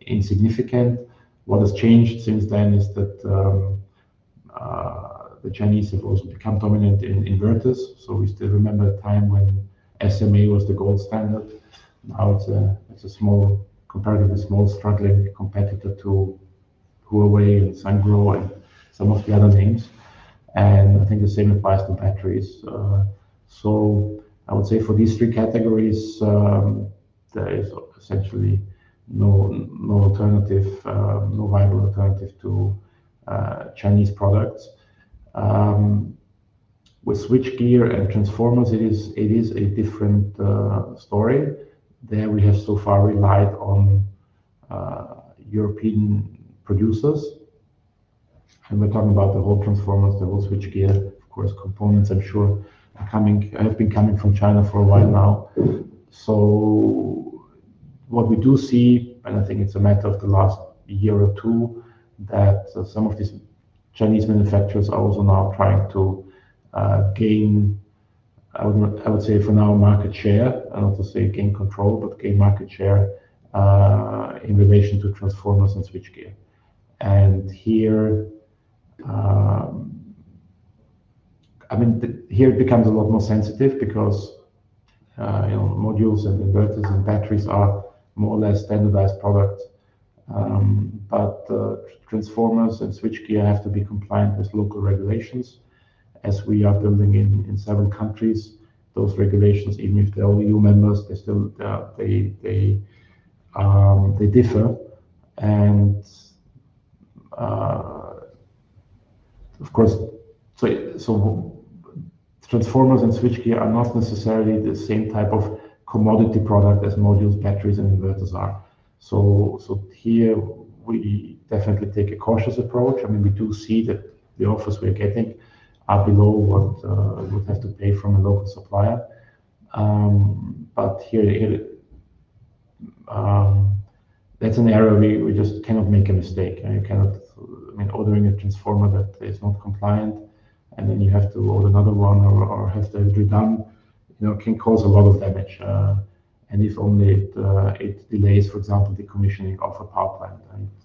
insignificant. What has changed since then is that the Chinese have also become dominant in inverters. We still remember the time when SMA was the gold standard. Now it is a small, comparatively small, struggling competitor to Huawei and Sungrow and some of the other names. I think the same applies to batteries. I would say for these three categories, there is essentially no, no alternative, no viable alternative to Chinese products. With switch gear and transformers, it is a different story. There we have so far relied on European producers. We are talking about the whole transformers, the whole switch gear. Of course, components, I'm sure, are coming, have been coming from China for a while now. What we do see, and I think it's a matter of the last year or two, is that some of these Chinese manufacturers are also now trying to gain, I would say for now, market share. I don't want to say gain control, but gain market share in relation to transformers and switch gear. Here, I mean, here it becomes a lot more sensitive because, you know, modules and inverters and batteries are more or less standardized products. Transformers and switch gear have to be compliant with local regulations as we are building in several countries. Those regulations, even if they're EU members, they still differ. Of course, transformers and switch gear are not necessarily the same type of commodity product as modules, batteries, and inverters are. Here we definitely take a cautious approach. I mean, we do see that the offers we are getting are below what we would have to pay from a local supplier. Here, that's an area we just cannot make a mistake. You cannot, I mean, ordering a transformer that is not compliant and then you have to order another one or have to have it redone, you know, can cause a lot of damage. If only it delays, for example, the commissioning of a power plant,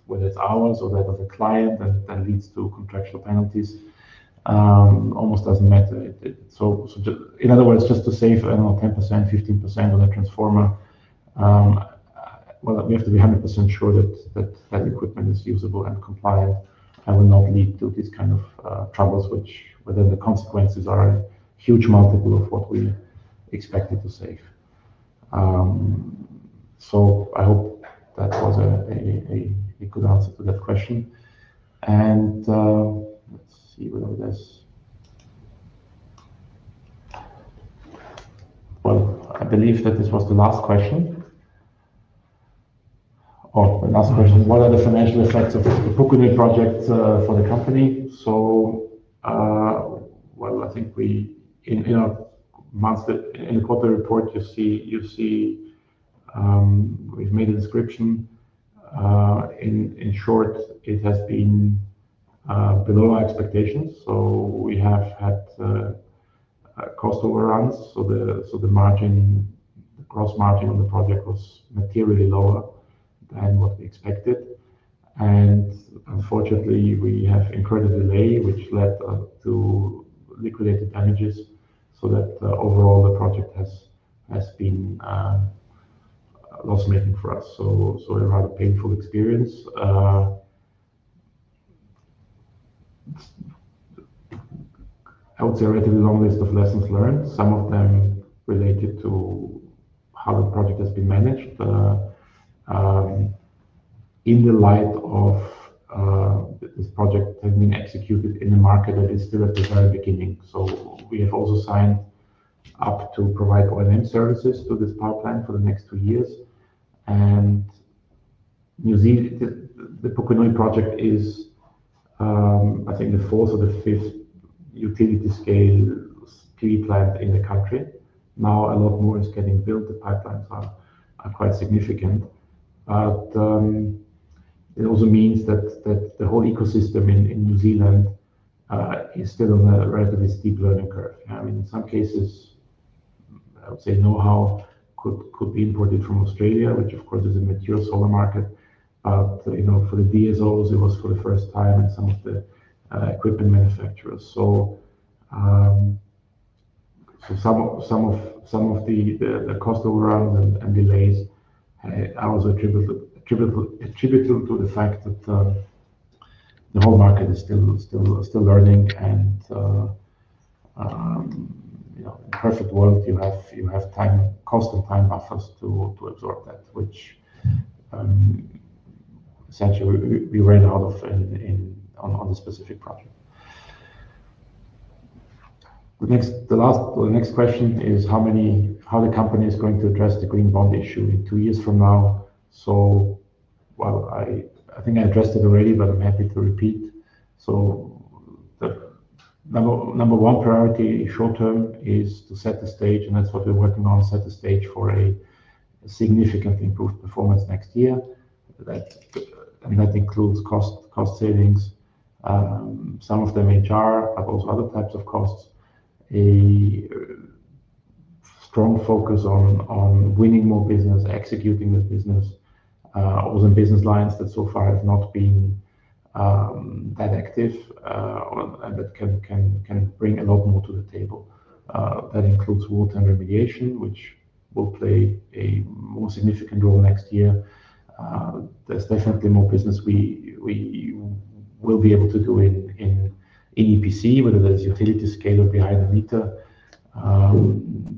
whether it's ours or that of a client, and that leads to contractual penalties, almost does not matter. Just in other words, just to save, I don't know, 10%-15% on a transformer, we have to be 100% sure that that equipment is usable and compliant and will not lead to these kind of troubles, which then the consequences are a huge multiple of what we expected to save. I hope that was a good answer to that question. Let's see whatever there's, I believe that this was the last question. Oh, the last question. What are the financial effects of the Pukenui project for the company? I think we, in a month, in a quarter report, you see, you see, we've made a description. In short, it has been below our expectations. We have had cost overruns. The margin, the gross margin on the project was materially lower than what we expected. Unfortunately, we have incurred a delay, which led to liquidated damages. Overall, the project has been loss-making for us. A rather painful experience. I would say a relatively long list of lessons learned, some of them related to how the project has been managed. In the light of this, this project has been executed in a market that is still at the very beginning. We have also signed up to provide O&M services to this power plant for the next two years. In New Zealand, the Pukenui project is, I think, the fourth or the fifth utility scale PV plant in the country. Now a lot more is getting built. The pipelines are quite significant. It also means that the whole ecosystem in New Zealand is still on a relatively steep learning curve. I mean, in some cases, I would say know-how could be imported from Australia, which of course is a mature solar market. But, you know, for the DSOs, it was for the first time and some of the equipment manufacturers. Some of the cost overruns and delays are also attributable to the fact that the whole market is still learning. You know, in a perfect world, you have time, cost and time buffers to absorb that, which essentially we ran out of on the specific project. The next, the last, the next question is how many, how the company is going to address the green bond issue in two years from now. I think I addressed it already, but I'm happy to repeat. The number one priority short term is to set the stage, and that's what we're working on, set the stage for a significantly improved performance next year. That includes cost savings, some of them HR, but also other types of costs, a strong focus on winning more business, executing the business, also in business lines that so far have not been that active, and that can bring a lot more to the table. That includes water and remediation, which will play a more significant role next year. There's definitely more business we will be able to do in EPC, whether that's utility scale or behind the meter,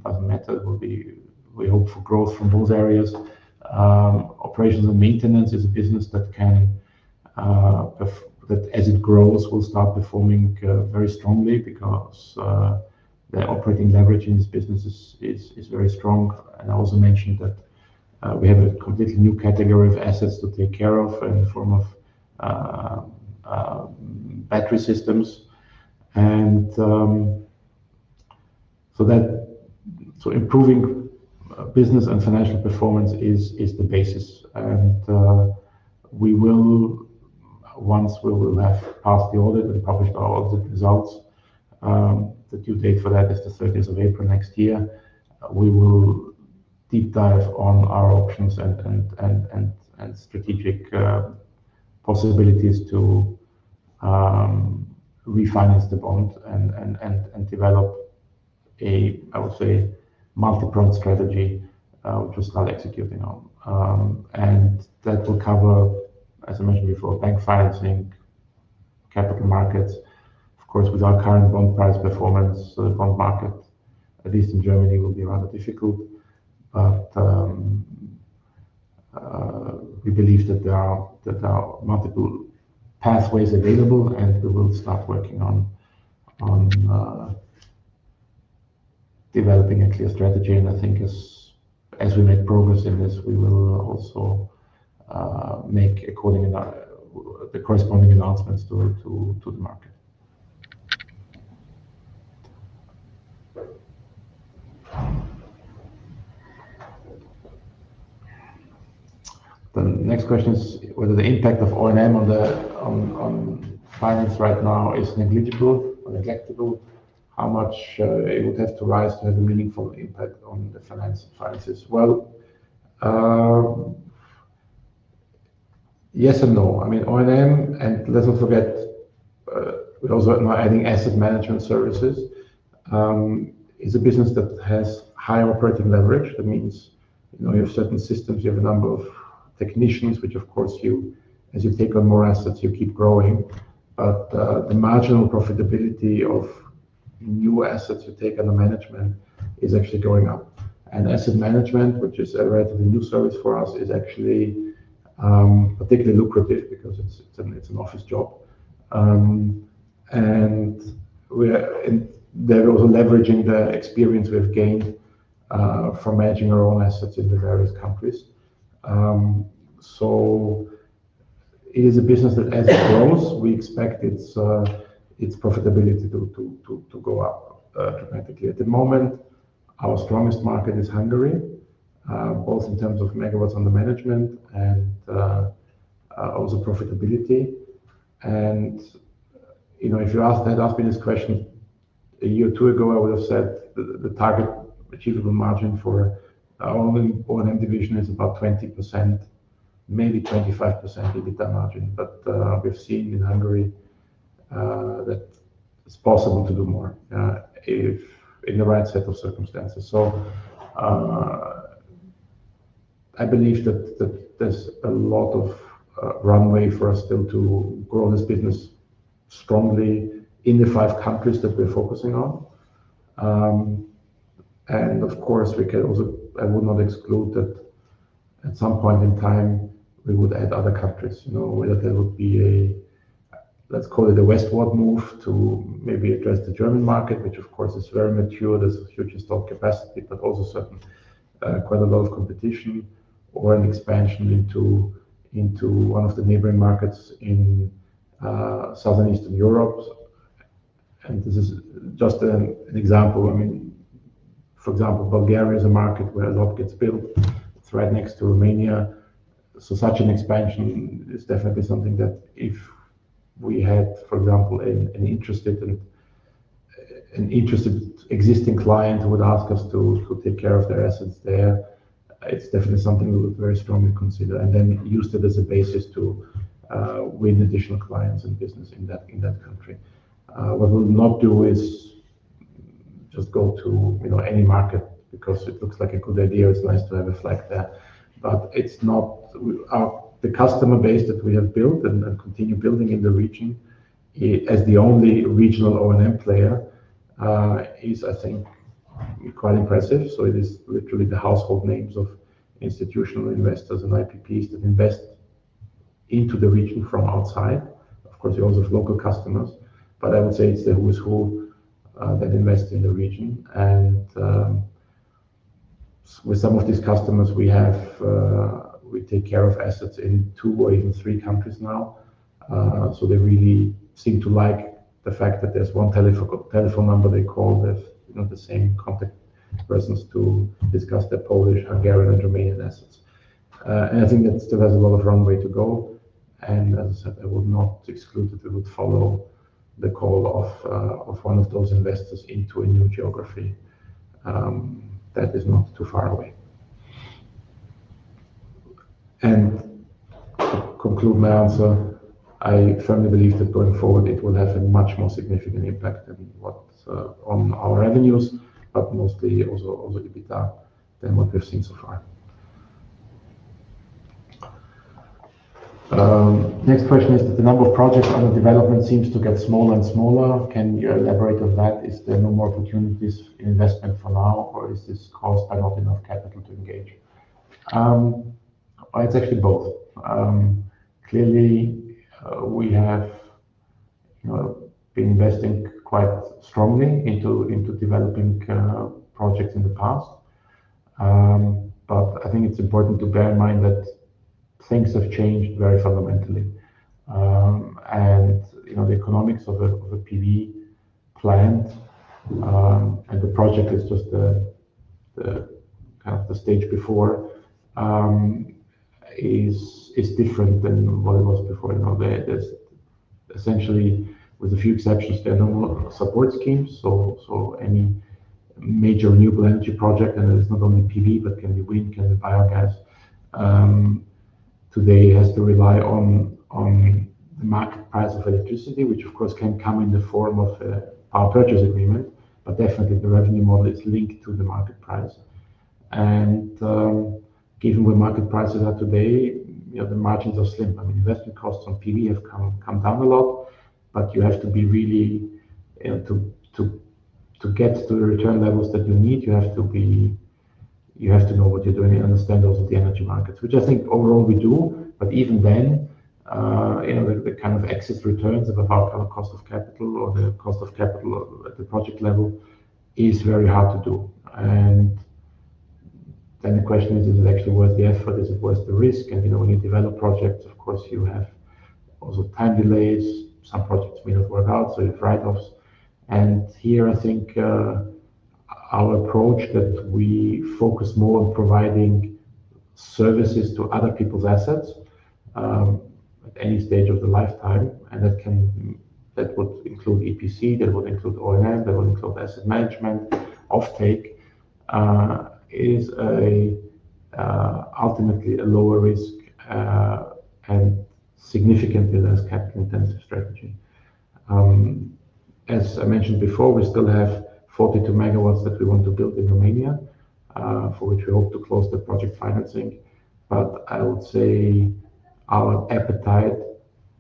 doesn't matter. We hope for growth from those areas. Operations and maintenance is a business that can, as it grows, start performing very strongly because the operating leverage in this business is very strong. I also mentioned that we have a completely new category of assets to take care of in the form of battery systems. Improving business and financial performance is the basis. We will, once we have passed the audit and published our audit results, the due date for that is the 30th of April next year. We will deep dive on our options and strategic possibilities to refinance the bond and develop a, I would say, multi-pronged strategy, which we'll start executing on. That will cover, as I mentioned before, bank financing, capital markets, of course, with our current bond price performance. The bond market, at least in Germany, will be rather difficult. We believe that there are multiple pathways available, and we will start working on developing a clear strategy. I think as we make progress in this, we will also make the corresponding announcements to the market. The next question is whether the impact of O&M on finance right now is negligible or neglectable. How much it would have to rise to have a meaningful impact on the finances? Yes and no. I mean, O&M, and let's not forget, we also are now adding asset management services. It is a business that has higher operating leverage. That means, you know, you have certain systems, you have a number of technicians, which of course, you, as you take on more assets, you keep growing. The marginal profitability of new assets you take under management is actually going up. And asset management, which is a relatively new service for us, is actually particularly lucrative because it is an office job. We are also leveraging the experience we have gained from managing our own assets in the various countries. It is a business that, as it grows, we expect its profitability to go up dramatically. At the moment, our strongest market is Hungary, both in terms of megawatt under management and also profitability. You know, if you asked me this question a year or two ago, I would have said the target achievable margin for our own O&M division is about 20%, maybe 25% EBITDA margin. We've seen in Hungary that it's possible to do more if in the right set of circumstances. I believe that there's a lot of runway for us still to grow this business strongly in the five countries that we're focusing on. Of course, I would not exclude that at some point in time, we would add other countries, you know, whether there would be a, let's call it a westward move to maybe address the German market, which of course is very mature. There's a huge stock capacity, but also certain, quite a lot of competition or an expansion into one of the neighboring markets in Southeastern Europe. And this is just an example. I mean, for example, Bulgaria is a market where a lot gets built. It's right next to Romania. Such an expansion is definitely something that if we had, for example, an interested and an interested existing client who would ask us to take care of their assets there, it's definitely something we would very strongly consider and then use that as a basis to win additional clients and business in that country. What we'll not do is just go to, you know, any market because it looks like a good idea. It's nice to have a flag there. It is not only the customer base that we have built and continue building in the region, as the only regional O&M player, which I think is quite impressive. It is literally the household names of institutional investors and IPPs that invest into the region from outside. Of course, you also have local customers, but I would say it is the who is who that invest in the region. With some of these customers, we take care of assets in two or even three countries now. They really seem to like the fact that there is one telephone number they call, you know, the same contact persons to discuss their Polish, Hungarian, and Romanian assets. I think that still has a lot of runway to go. As I said, I would not exclude that we would follow the call of one of those investors into a new geography that is not too far away. To conclude my answer, I firmly believe that going forward, it will have a much more significant impact on our revenues, but mostly also EBITDA, than what we've seen so far. The next question is that the number of projects under development seems to get smaller and smaller. Can you elaborate on that? Is there no more opportunities in investment for now, or is this caused by not enough capital to engage? It's actually both. Clearly, we have, you know, been investing quite strongly into developing projects in the past. I think it's important to bear in mind that things have changed very fundamentally. And, you know, the economics of a, of a PV plant, and the project is just the, the kind of the stage before, is, is different than what it was before. You know, there, there's essentially, with a few exceptions, there are no more support schemes. Any major renewable energy project, and it's not only PV, but can be wind, can be biogas, today has to rely on, on the market price of electricity, which of course can come in the form of a power purchase agreement. Definitely the revenue model is linked to the market price. Given where market prices are today, you know, the margins are slim. I mean, investment costs on PV have come down a lot, but you have to be really, you know, to get to the return levels that you need, you have to be, you have to know what you're doing and understand also the energy markets, which I think overall we do. Even then, you know, the kind of excess returns of our kind of cost of capital or the cost of capital at the project level is very hard to do. The question is, is it actually worth the effort? Is it worth the risk? You know, when you develop projects, of course, you have also time delays. Some projects may not work out, so you have write-offs. I think our approach that we focus more on providing services to other people's assets, at any stage of the lifetime, and that can, that would include EPC, that would include O&M, that would include asset management, offtake, is ultimately a lower risk, and significantly less capital-intensive strategy. As I mentioned before, we still have 42 MW that we want to build in Romania, for which we hope to close the project financing. I would say our appetite,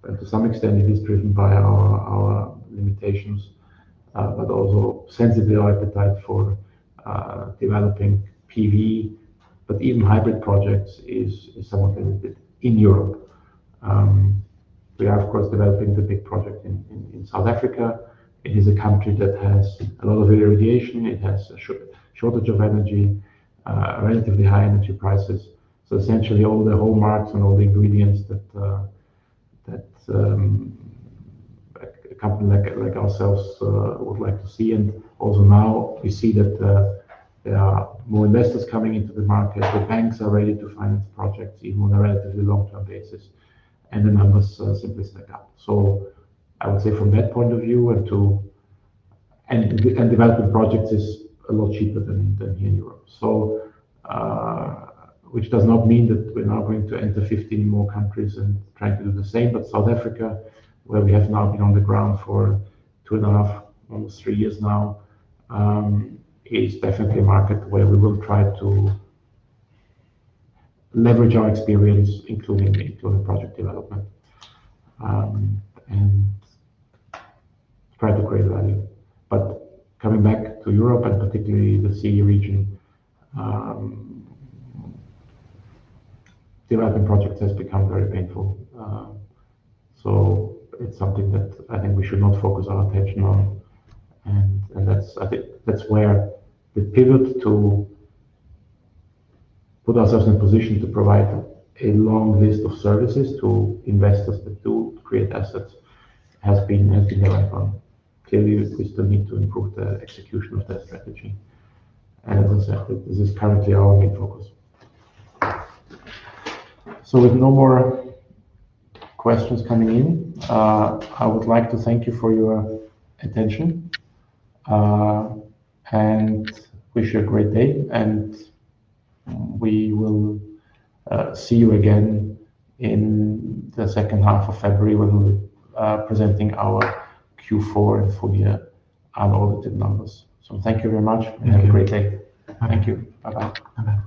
and to some extent, it is driven by our limitations, but also sensibly our appetite for developing PV, but even hybrid projects is somewhat limited in Europe. We are, of course, developing the big project in South Africa. It is a country that has a lot of irradiation. It has a shortage of energy, relatively high energy prices. Essentially all the hallmarks and all the ingredients that, that, a company like, like ourselves, would like to see. Also now we see that there are more investors coming into the market. The banks are ready to finance projects even on a relatively long-term basis, and the numbers simply stack up. I would say from that point of view and to, and, and development projects is a lot cheaper than, than here in Europe. Which does not mean that we're not going to enter 15 more countries and trying to do the same. South Africa, where we have now been on the ground for two and a half, almost three years now, is definitely a market where we will try to leverage our experience, including, including project development, and try to create value. Coming back to Europe and particularly the CE region, development projects has become very painful. It is something that I think we should not focus our attention on. I think that is where the pivot to put ourselves in a position to provide a long list of services to investors that do create assets has been the right one. Clearly, we still need to improve the execution of that strategy. As I said, this is currently our main focus. With no more questions coming in, I would like to thank you for your attention, and wish you a great day. We will see you again in the second half of February when we are presenting our Q4 and full-year un-audited numbers. Thank you very much and have a great day. Thank you. Bye-bye. Bye-bye.